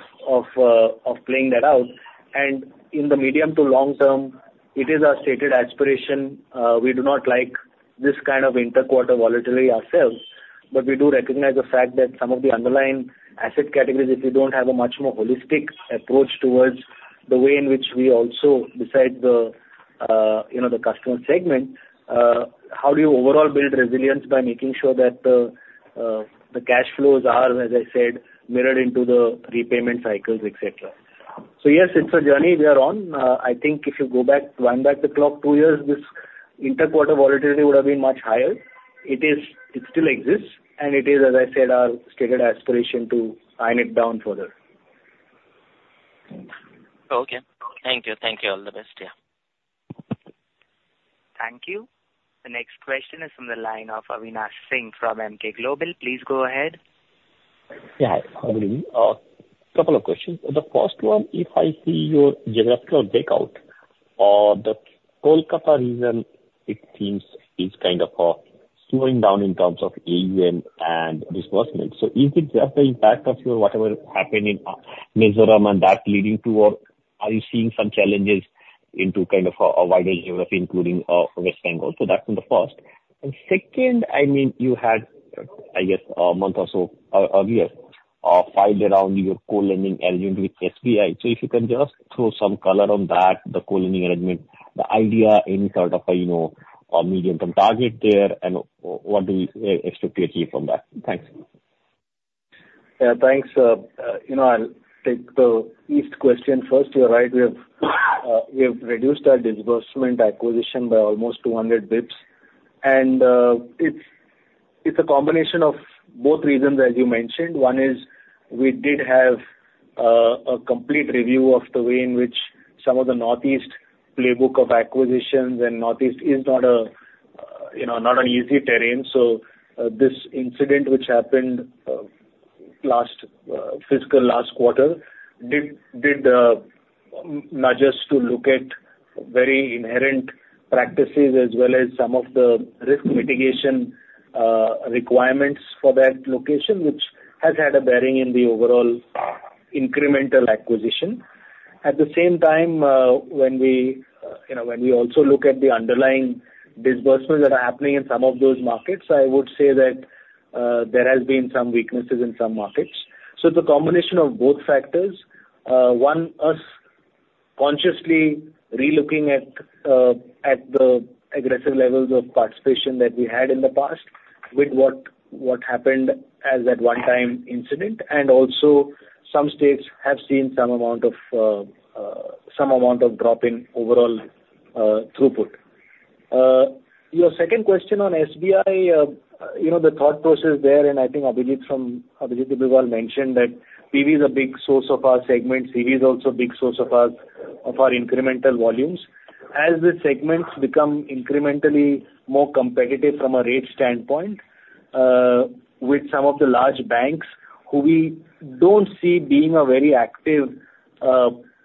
playing that out. And in the medium to long term, it is our stated aspiration. We do not like this kind of inter-quarter volatility ourselves. But we do recognize the fact that some of the underlying asset categories, if you don't have a much more holistic approach towards the way in which we also decide the, you know, the customer segment, how do you overall build resilience by making sure that the cash flows are, as I said, mirrored into the repayment cycles, et cetera? So yes, it's a journey we are on. I think if you go back, wind back the clock two years, this inter-quarter volatility would have been much higher. It still exists, and it is, as I said, our stated aspiration to iron it down further. Okay. Thank you. Thank you. All the best. Yeah. Thank you. The next question is from the line of Avinash Singh from Emkay Global. Please go ahead. Yeah, good evening. Couple of questions. The first one, if I see your geographical breakout, the Kolkata region, it seems, is kind of slowing down in terms of AUM and disbursement. So is it just the impact of your, whatever happened in, Mizoram and that leading to, or are you seeing some challenges into kind of a wider geography, including, West Bengal? So that's from the first. And second, I mean, you had, I guess, a month or so earlier, filed around your co-lending arrangement with SBI. So if you can just throw some color on that, the co-lending arrangement, the idea in sort of a, you know, a medium-term target there, and what do you expect to achieve from that? Thanks. Yeah, thanks. You know, I'll take the first question first. You're right, we have reduced our disbursement acquisition by almost 200 basis points. And it's a combination of both reasons, as you mentioned. One is we did have a complete review of the way in which some of the Northeast playbook of acquisitions and Northeast is not, you know, not an easy terrain. So this incident, which happened last fiscal quarter, did nudge us to look at our inherent practices as well as some of the risk mitigation requirements for that location, which has had a bearing in the overall incremental acquisition. At the same time, when we, you know, when we also look at the underlying disbursements that are happening in some of those markets, I would say that, there has been some weaknesses in some markets. So the combination of both factors, one, us consciously relooking at, at the aggressive levels of participation that we had in the past with what happened as that one-time incident, and also some states have seen some amount of drop in overall throughput. Your second question on SBI, you know, the thought process there, and I think Abhijit Kundra mentioned that PV is a big source of our segment. CV is also a big source of our incremental volumes. As the segments become incrementally more competitive from a rate standpoint, with some of the large banks, who we don't see being a very active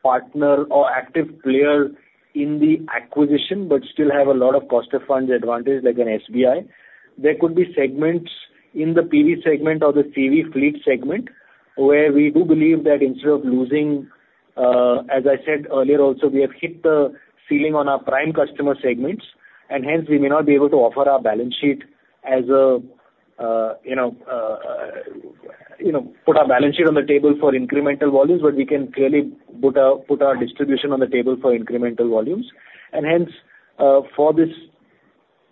partner or active player in the acquisition, but still have a lot of cost of funds advantage, like an SBI. There could be segments in the PV segment or the CV fleet segment, where we do believe that instead of losing, as I said earlier, also, we have hit the ceiling on our prime customer segments, and hence, we may not be able to offer our balance sheet as a, you know, put our balance sheet on the table for incremental volumes, but we can clearly put our distribution on the table for incremental volumes. And hence, for this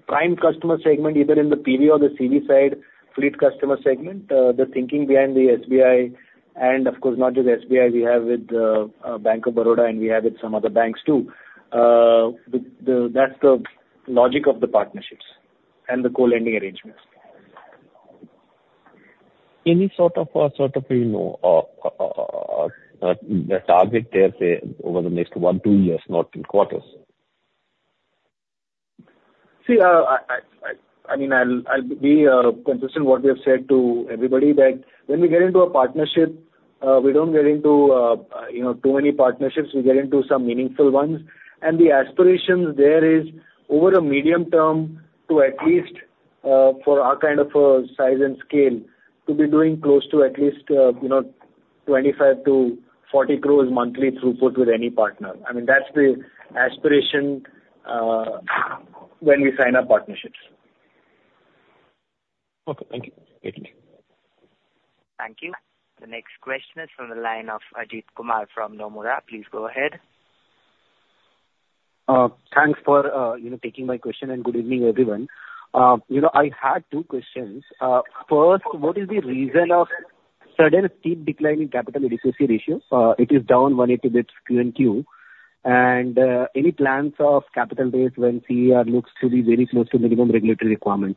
prime customer segment, either in the PV or the CV side, fleet customer segment, the thinking behind the SBI and of course, not just SBI, we have with Bank of Baroda, and we have with some other banks, too. That's the logic of the partnerships and the co-lending arrangements. Any sort of, you know, a target there, say, over the next one, two years, not in quarters? See, I mean, I'll be consistent what we have said to everybody, that when we get into a partnership, we don't get into, you know, too many partnerships. We get into some meaningful ones. And the aspirations there is, over the medium term, to at least, for our kind of, size and scale, to be doing close to at least, you know, 25-40 crores monthly throughput with any partner. I mean, that's the aspiration, when we sign our partnerships. Okay, thank you. Thank you. Thank you. The next question is from the line of Ajit Kumar from Nomura. Please go ahead. Thanks for, you know, taking my question, and good evening, everyone. You know, I had two questions. First, what is the reason of sudden steep decline in capital adequacy ratio? It is down 180 basis points Q and Q. Any plans of capital raise when CAR looks to be very close to minimum regulatory requirement?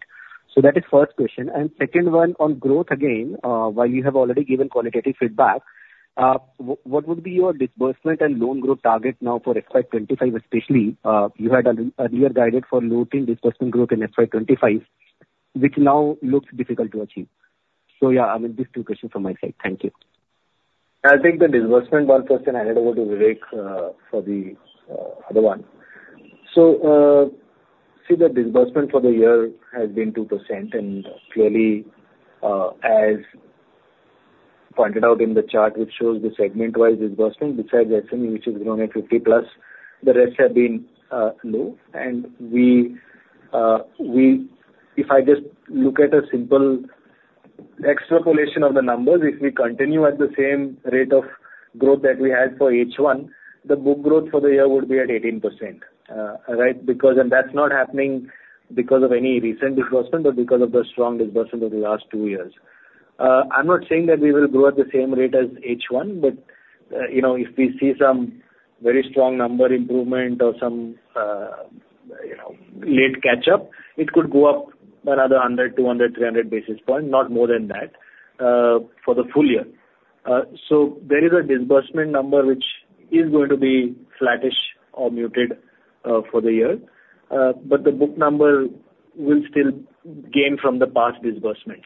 That is first question. Second one, on growth again, while you have already given qualitative feedback, what would be your disbursement and loan growth target now for FY25 especially, you had an earlier guidance for low teens disbursement growth in FY25, which now looks difficult to achieve. Yeah, I mean, these two questions from my side. Thank you. I'll take the disbursement one first, and hand it over to Vivek for the other one. So, see, the disbursement for the year has been 2%, and clearly, as pointed out in the chart, which shows the segment-wide disbursement, besides SME, which has grown at 50+, the rest have been low. And we, if I just look at a simple extrapolation of the numbers, if we continue at the same rate of growth that we had for H1, the book growth for the year would be at 18%. Right? Because... And that's not happening because of any recent disbursement, but because of the strong disbursement over the last two years. I'm not saying that we will grow at the same rate as H1, but, you know, if we see some very strong number improvement or some, you know, late catch-up, it could go up another hundred, two hundred, three hundred basis point, not more than that, for the full year, so there is a disbursement number which is going to be flattish or muted, for the year, but the book number will still gain from the past disbursements,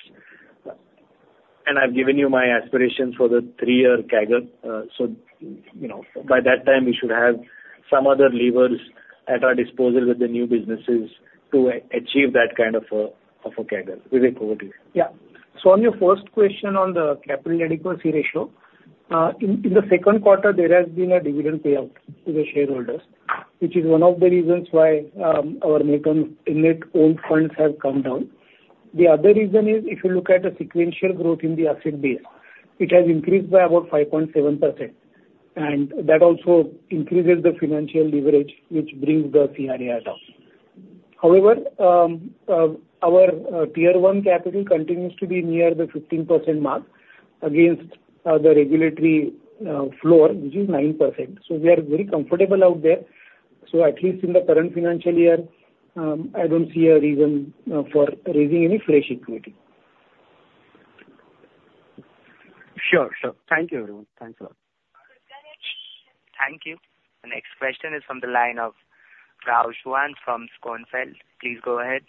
and I've given you my aspirations for the three-year CAGR, so, you know, by that time, we should have some other levers at our disposal with the new businesses to achieve that kind of, of a CAGR. Vivek, over to you. Yeah. So on your first question, on the capital adequacy ratio, in the second quarter, there has been a dividend payout to the shareholders, which is one of the reasons why our net owned funds have come down. The other reason is, if you look at the sequential growth in the asset base, it has increased by about 5.7%, and that also increases the financial leverage, which brings the CAR down. However, our Tier 1 capital continues to be near the 15% mark against the regulatory floor, which is 9%. So we are very comfortable out there. So at least in the current financial year, I don't see a reason for raising any fresh equity. Sure. Sure. Thank you, everyone. Thanks a lot. Thank you. The next question is from the line of Xuan Rao from Schonfeld. Please go ahead.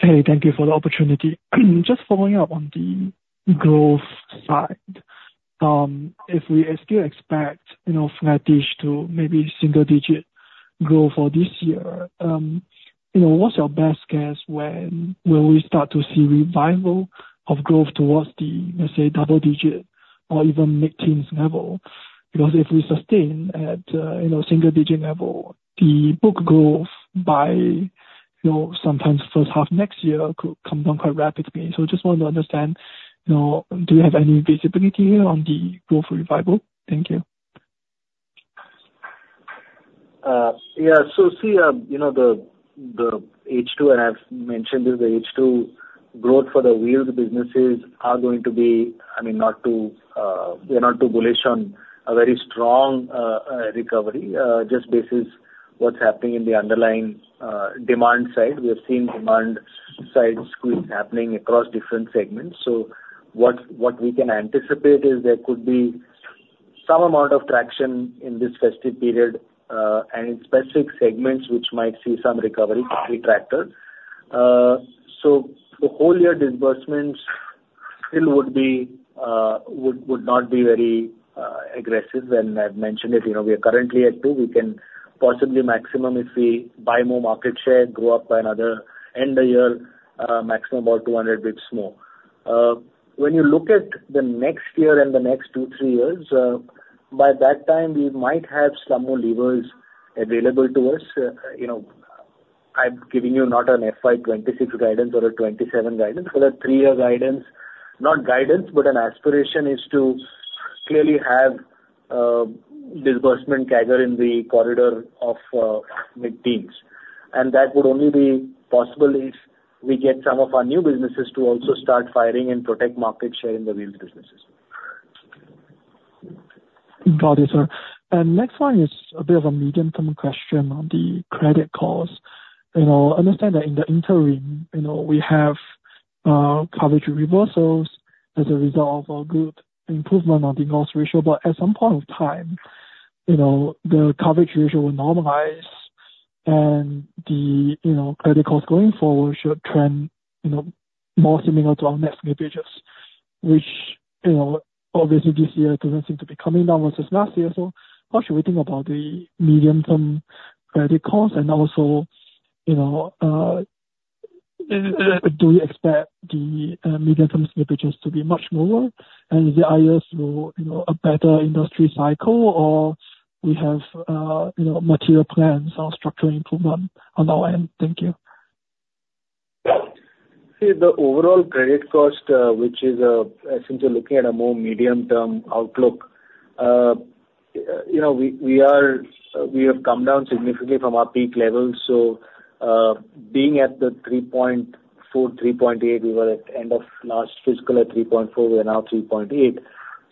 Hey, thank you for the opportunity. Just following up on the growth side, if we still expect, you know, flattish to maybe single digit growth for this year, you know, what's your best guess when will we start to see revival of growth towards the, let's say, double digit or even mid-teens level? Because if we sustain at, you know, single digit level, the book growth by, you know, sometimes first half next year could come down quite rapidly. So just want to understand, you know, do you have any visibility on the growth revival? Thank you. Yeah. So, see, you know, the H2, and I've mentioned this, the H2 growth for the wheels businesses are going to be, I mean, not too, we are not too bullish on a very strong recovery, just based what's happening in the underlying demand side. We are seeing demand side squeeze happening across different segments. So, what we can anticipate is there could be some amount of traction in this festive period, and in specific segments, which might see some recovery, particularly tractors. So, the whole year disbursements still would be, would not be very aggressive. And I've mentioned it, you know, we are currently at two. We can possibly, maximum if we buy more market share, grow up by another, end of year, maximum about 200 basis points more. When you look at the next year and the next two, three years, by that time, we might have some more levers available to us. You know, I'm giving you not an FY 2026 guidance or a 2027 guidance, but a three-year guidance. Not guidance, but an aspiration is to clearly have disbursement CAGR in the corridor of mid-teens. And that would only be possible if we get some of our new businesses to also start firing and protect market share in the wheels businesses. Got it, sir. And next one is a bit of a medium-term question on the credit cost. You know, I understand that in the interim, you know, we have coverage reversals as a result of a good improvement on the loss ratio. But at some point of time, you know, the coverage ratio will normalize and the, you know, credit costs going forward should trend, you know, more similar to our net slippages, which, you know, obviously this year doesn't seem to be coming down versus last year. So how should we think about the medium-term credit costs? And also, you know, do you expect the medium-term slippages to be much lower? And is this through, you know, a better industry cycle or we have, you know, material plans on structural improvement on our end? Thank you. See, the overall credit cost, which is essentially looking at a more medium-term outlook, you know, we have come down significantly from our peak levels. So, being at the 3.4%-3.8%, we were at end of last fiscal at 3.4%, we are now 3.8%.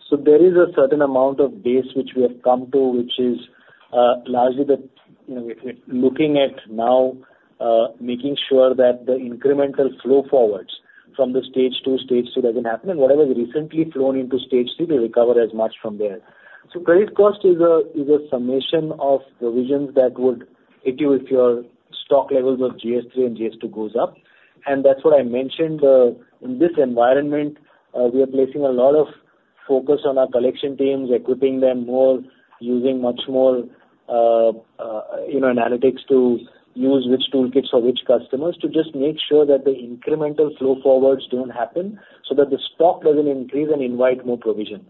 So there is a certain amount of base which we have come to, which is largely the, you know, we're looking at now making sure that the incremental flow forwards from the Stage 2 doesn't happen, and whatever is recently flown into Stage 3, they recover as much from there. So credit cost is a summation of provisions that would hit you if your stock levels of GS3 and GS2 goes up. And that's what I mentioned, in this environment, we are placing a lot of focus on our collection teams, equipping them more, using much more, you know, analytics to use which toolkits for which customers, to just make sure that the incremental flow forwards don't happen, so that the stock doesn't increase and invite more provisions.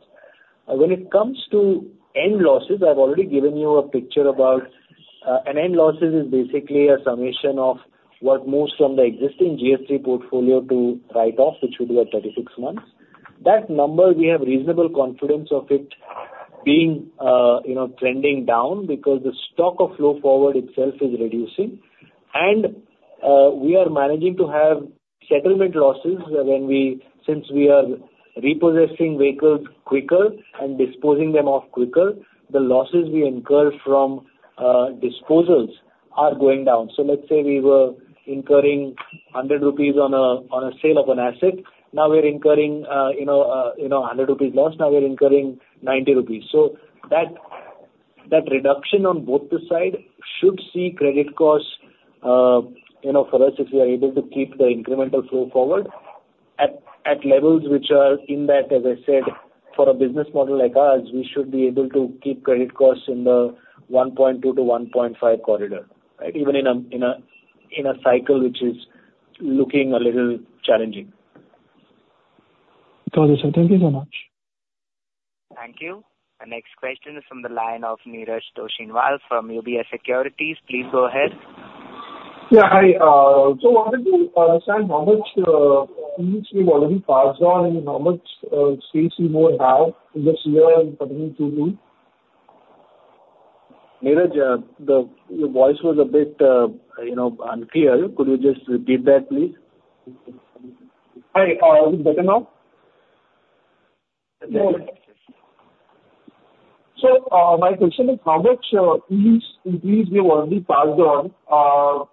When it comes to end losses, I've already given you a picture about. An end losses is basically a summation of what moves from the existing GS3 portfolio to write-off, which will be at thirty-six months. That number, we have reasonable confidence of it being, you know, trending down because the stock of flow forward itself is reducing. We are managing to have settlement losses when since we are repossessing vehicles quicker and disposing them off quicker, the losses we incur from disposals are going down. So let's say we were incurring 100 rupees on a sale of an asset. Now we're incurring, you know, 100 rupees loss. Now we are incurring 90 rupees. So that reduction on both the side should see credit costs, you know, for us, if we are able to keep the incremental flow forward at levels which are in that, as I said, for a business model like ours, we should be able to keep credit costs in the 1.2-1.5 corridor, right? Even in a cycle which is looking a little challenging. Got it, sir. Thank you so much. Thank you. The next question is from the line of Neeraj Toshniwal from UBS Securities. Please go ahead. Yeah, hi. So wanted to understand how much increase you've already passed on and how much space you more have in this year and continuing to do? Neeraj, your voice was a bit, you know, unclear. Could you just repeat that, please? Hi, is it better now? Yeah. My question is, how much increase you've already passed on,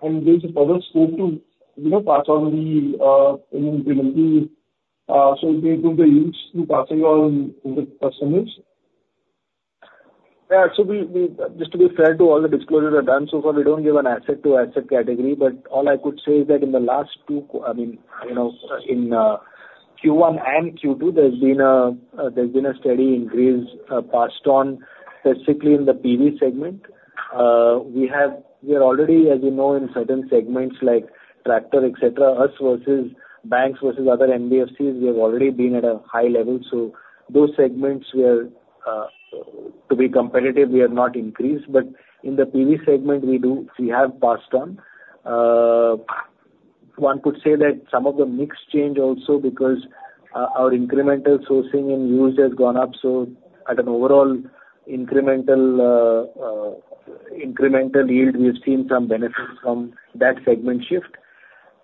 and there's a further scope to, you know, pass on any increase, so will it be able to pass on to the customers? Yeah. So we just to be fair to all the disclosures I've done so far, we don't give an asset to asset category, but all I could say is that in the last two I mean, you know, in Q1 and Q2, there's been a steady increase passed on, specifically in the PV segment. We are already, as you know, in certain segments like tractor, et cetera, us versus banks versus other NBFCs, we have already been at a high level. So those segments we are to be competitive, we have not increased. But in the PV segment, we do, we have passed on. One could say that some of the mix change also because our incremental sourcing and used has gone up, so at an overall incremental yield, we have seen some benefits from that segment shift.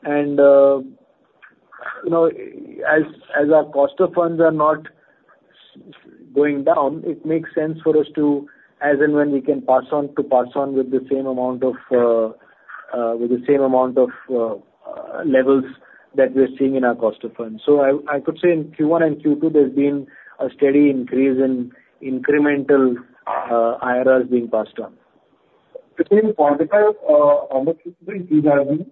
And you know, as our cost of funds are not going down, it makes sense for us to, as and when we can pass on, to pass on with the same amount of levels that we're seeing in our cost of funds. So I could say in Q1 and Q2, there's been a steady increase in incremental IRRs being passed on. Quantify how much increase these are being?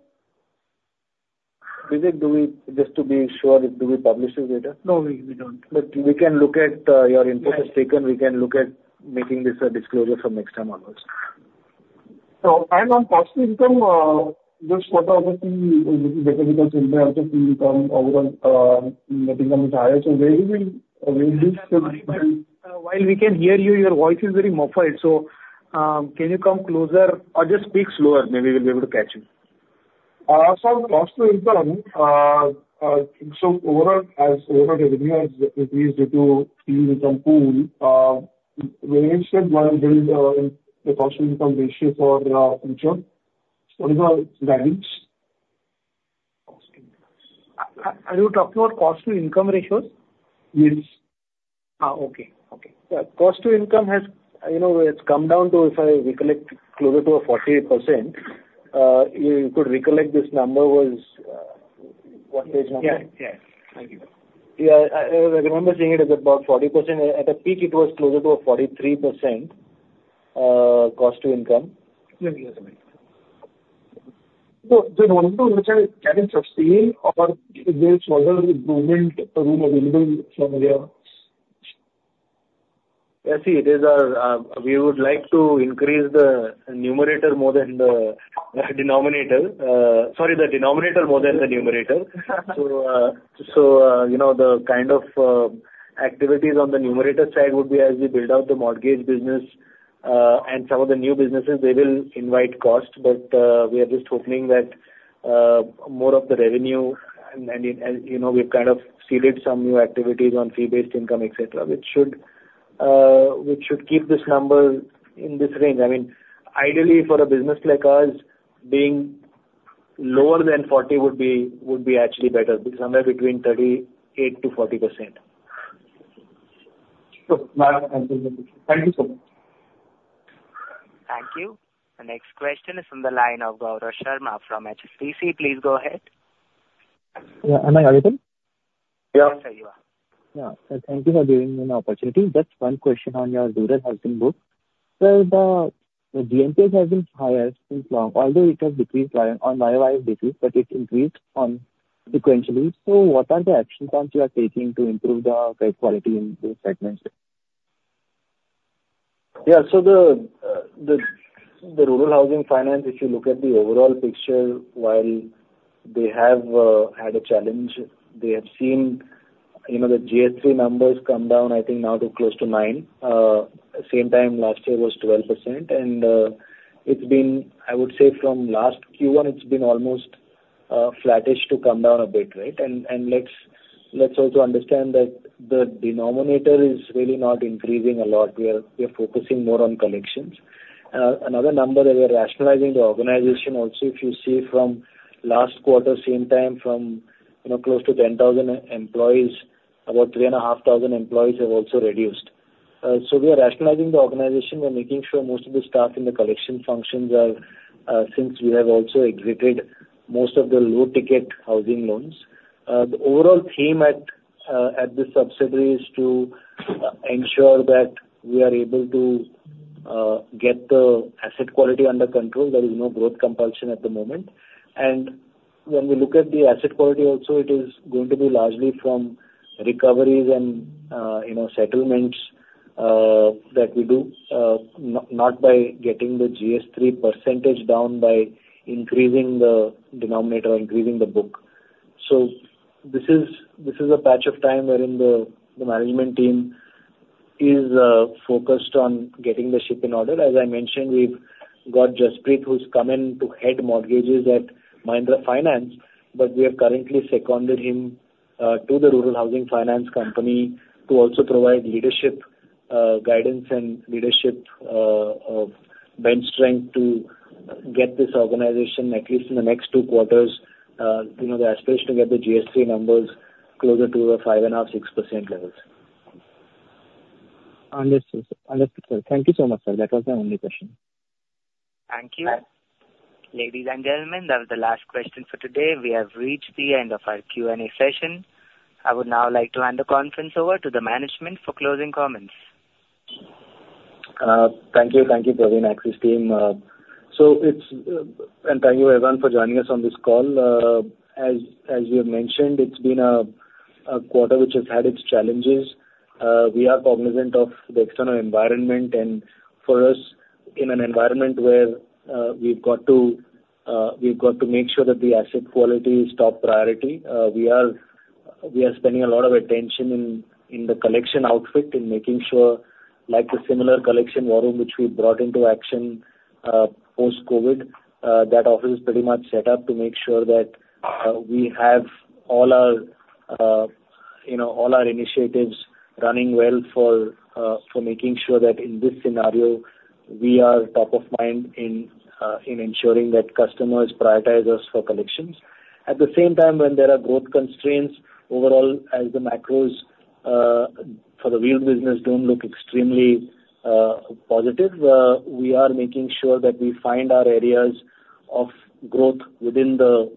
Do we, just to be sure, do we publish this data? No, we don't. But we can look at, your input is taken. We can look at making this a disclosure from next time onwards. And on cost income, just what are the things overall, net income is higher. So where you will, where this- While we can hear you, your voice is very muffled. So, can you come closer or just speak slower, maybe we'll be able to catch you. So cost to income, so overall, as overall revenue has increased due to fee income pool, where is that, the cost to income ratio for future? What is our guidance? Are you talking about cost to income ratios? Yes. Okay, okay. Yeah, cost to income has, you know, it's come down to, if I recollect, closer to a 40%. You could recollect this number was, what page number? Yeah. Yes. Thank you. Yeah, I remember seeing it as about 40%. At a peak, it was closer to a 43%, cost to income. So the one, two, which are, can it sustain or is there further improvement room available from there? Yeah, see, it is our, we would like to increase the numerator more than the denominator. Sorry, the denominator more than the numerator. You know, the kind of activities on the numerator side would be as we build out the mortgage business and some of the new businesses. They will incur costs, but we are just hoping that more of the revenue and you know, we've kind of seeded some new activities on fee-based income, et cetera, which should keep this number in this range. I mean, ideally, for a business like ours, being lower than 40 would be actually better, somewhere between 38-40%. So now, thank you so much. Thank you. The next question is on the line of Gaurav Sharma from HSBC. Please go ahead. Yeah, am I audible? Yeah. Yes, sir, you are. Yeah. So thank you for giving me an opportunity. Just one question on your rural housing book. So the NPAs have been higher since long, although it has decreased year over year, but it increased sequentially. So what are the action plans you are taking to improve the quality in this segment? Yeah, so the Rural Housing Finance, if you look at the overall picture, while they have had a challenge, they have seen, you know, the GS3 numbers come down, I think now to close to 9%. Same time last year was 12%, and it's been, I would say from last Q1, it's been almost flattish to come down a bit, right? And let's also understand that the denominator is really not increasing a lot. We are focusing more on collections. Another number that we are rationalizing the organization also, if you see from last quarter, same time from, you know, close to 10,000 employees, about 3,500 employees have also reduced. So we are rationalizing the organization. We're making sure most of the staff in the collection functions are, since we have also exited most of the low-ticket housing loans. The overall theme at, at this subsidiary is to, ensure that we are able to, get the asset quality under control. There is no growth compulsion at the moment. And when we look at the asset quality also, it is going to be largely from recoveries and, you know, settlements, that we do, not by getting the GS3 percentage down by increasing the denominator or increasing the book. So this is a patch of time wherein the management team is focused on getting the ship in order. As I mentioned, we've got Jaspreet, who's come in to head mortgages at Mahindra Finance, but we have currently seconded him to the Rural Housing Finance company to also provide leadership, guidance and leadership, bench strength to get this organization, at least in the next two quarters, you know, the aspiration to get the GS3 numbers closer to the 5.5%-6% levels. Understood, sir. Understood, sir. Thank you so much, sir. That was my only question. Thank you. Ladies and gentlemen, that was the last question for today. We have reached the end of our Q&A session. I would now like to hand the conference over to the management for closing comments. Thank you. Thank you, Praveen and Axis team. Thank you, everyone, for joining us on this call. As we have mentioned, it's been a quarter which has had its challenges. We are cognizant of the external environment, and for us, in an environment where we've got to make sure that the asset quality is top priority, we are spending a lot of attention in the collection outfit, in making sure, like the similar collection model which we brought into action post-COVID, that office is pretty much set up to make sure that we have all our, you know, all our initiatives running well for making sure that in this scenario, we are top of mind in ensuring that customers prioritize us for collections. At the same time, when there are growth constraints overall, as the macros for the wheel business don't look extremely positive, we are making sure that we find our areas of growth within the,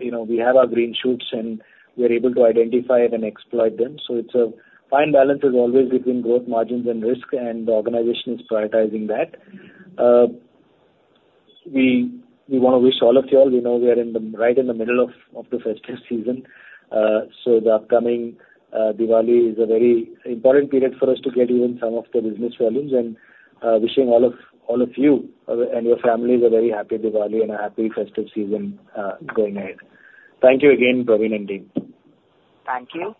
you know, we have our green shoots, and we're able to identify them and exploit them. So it's a fine balance as always between growth, margins, and risk, and the organization is prioritizing that. We want to wish all of you; we know we are right in the middle of the festive season. So the upcoming Diwali is a very important period for us to get even some of the business volumes, and wishing all of you and your families a very happy Diwali and a happy festive season going ahead. Thank you again, Praveen and team. Thank you.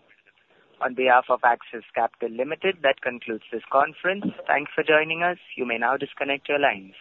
On behalf of Axis Capital Limited, that concludes this conference. Thanks for joining us. You may now disconnect your lines.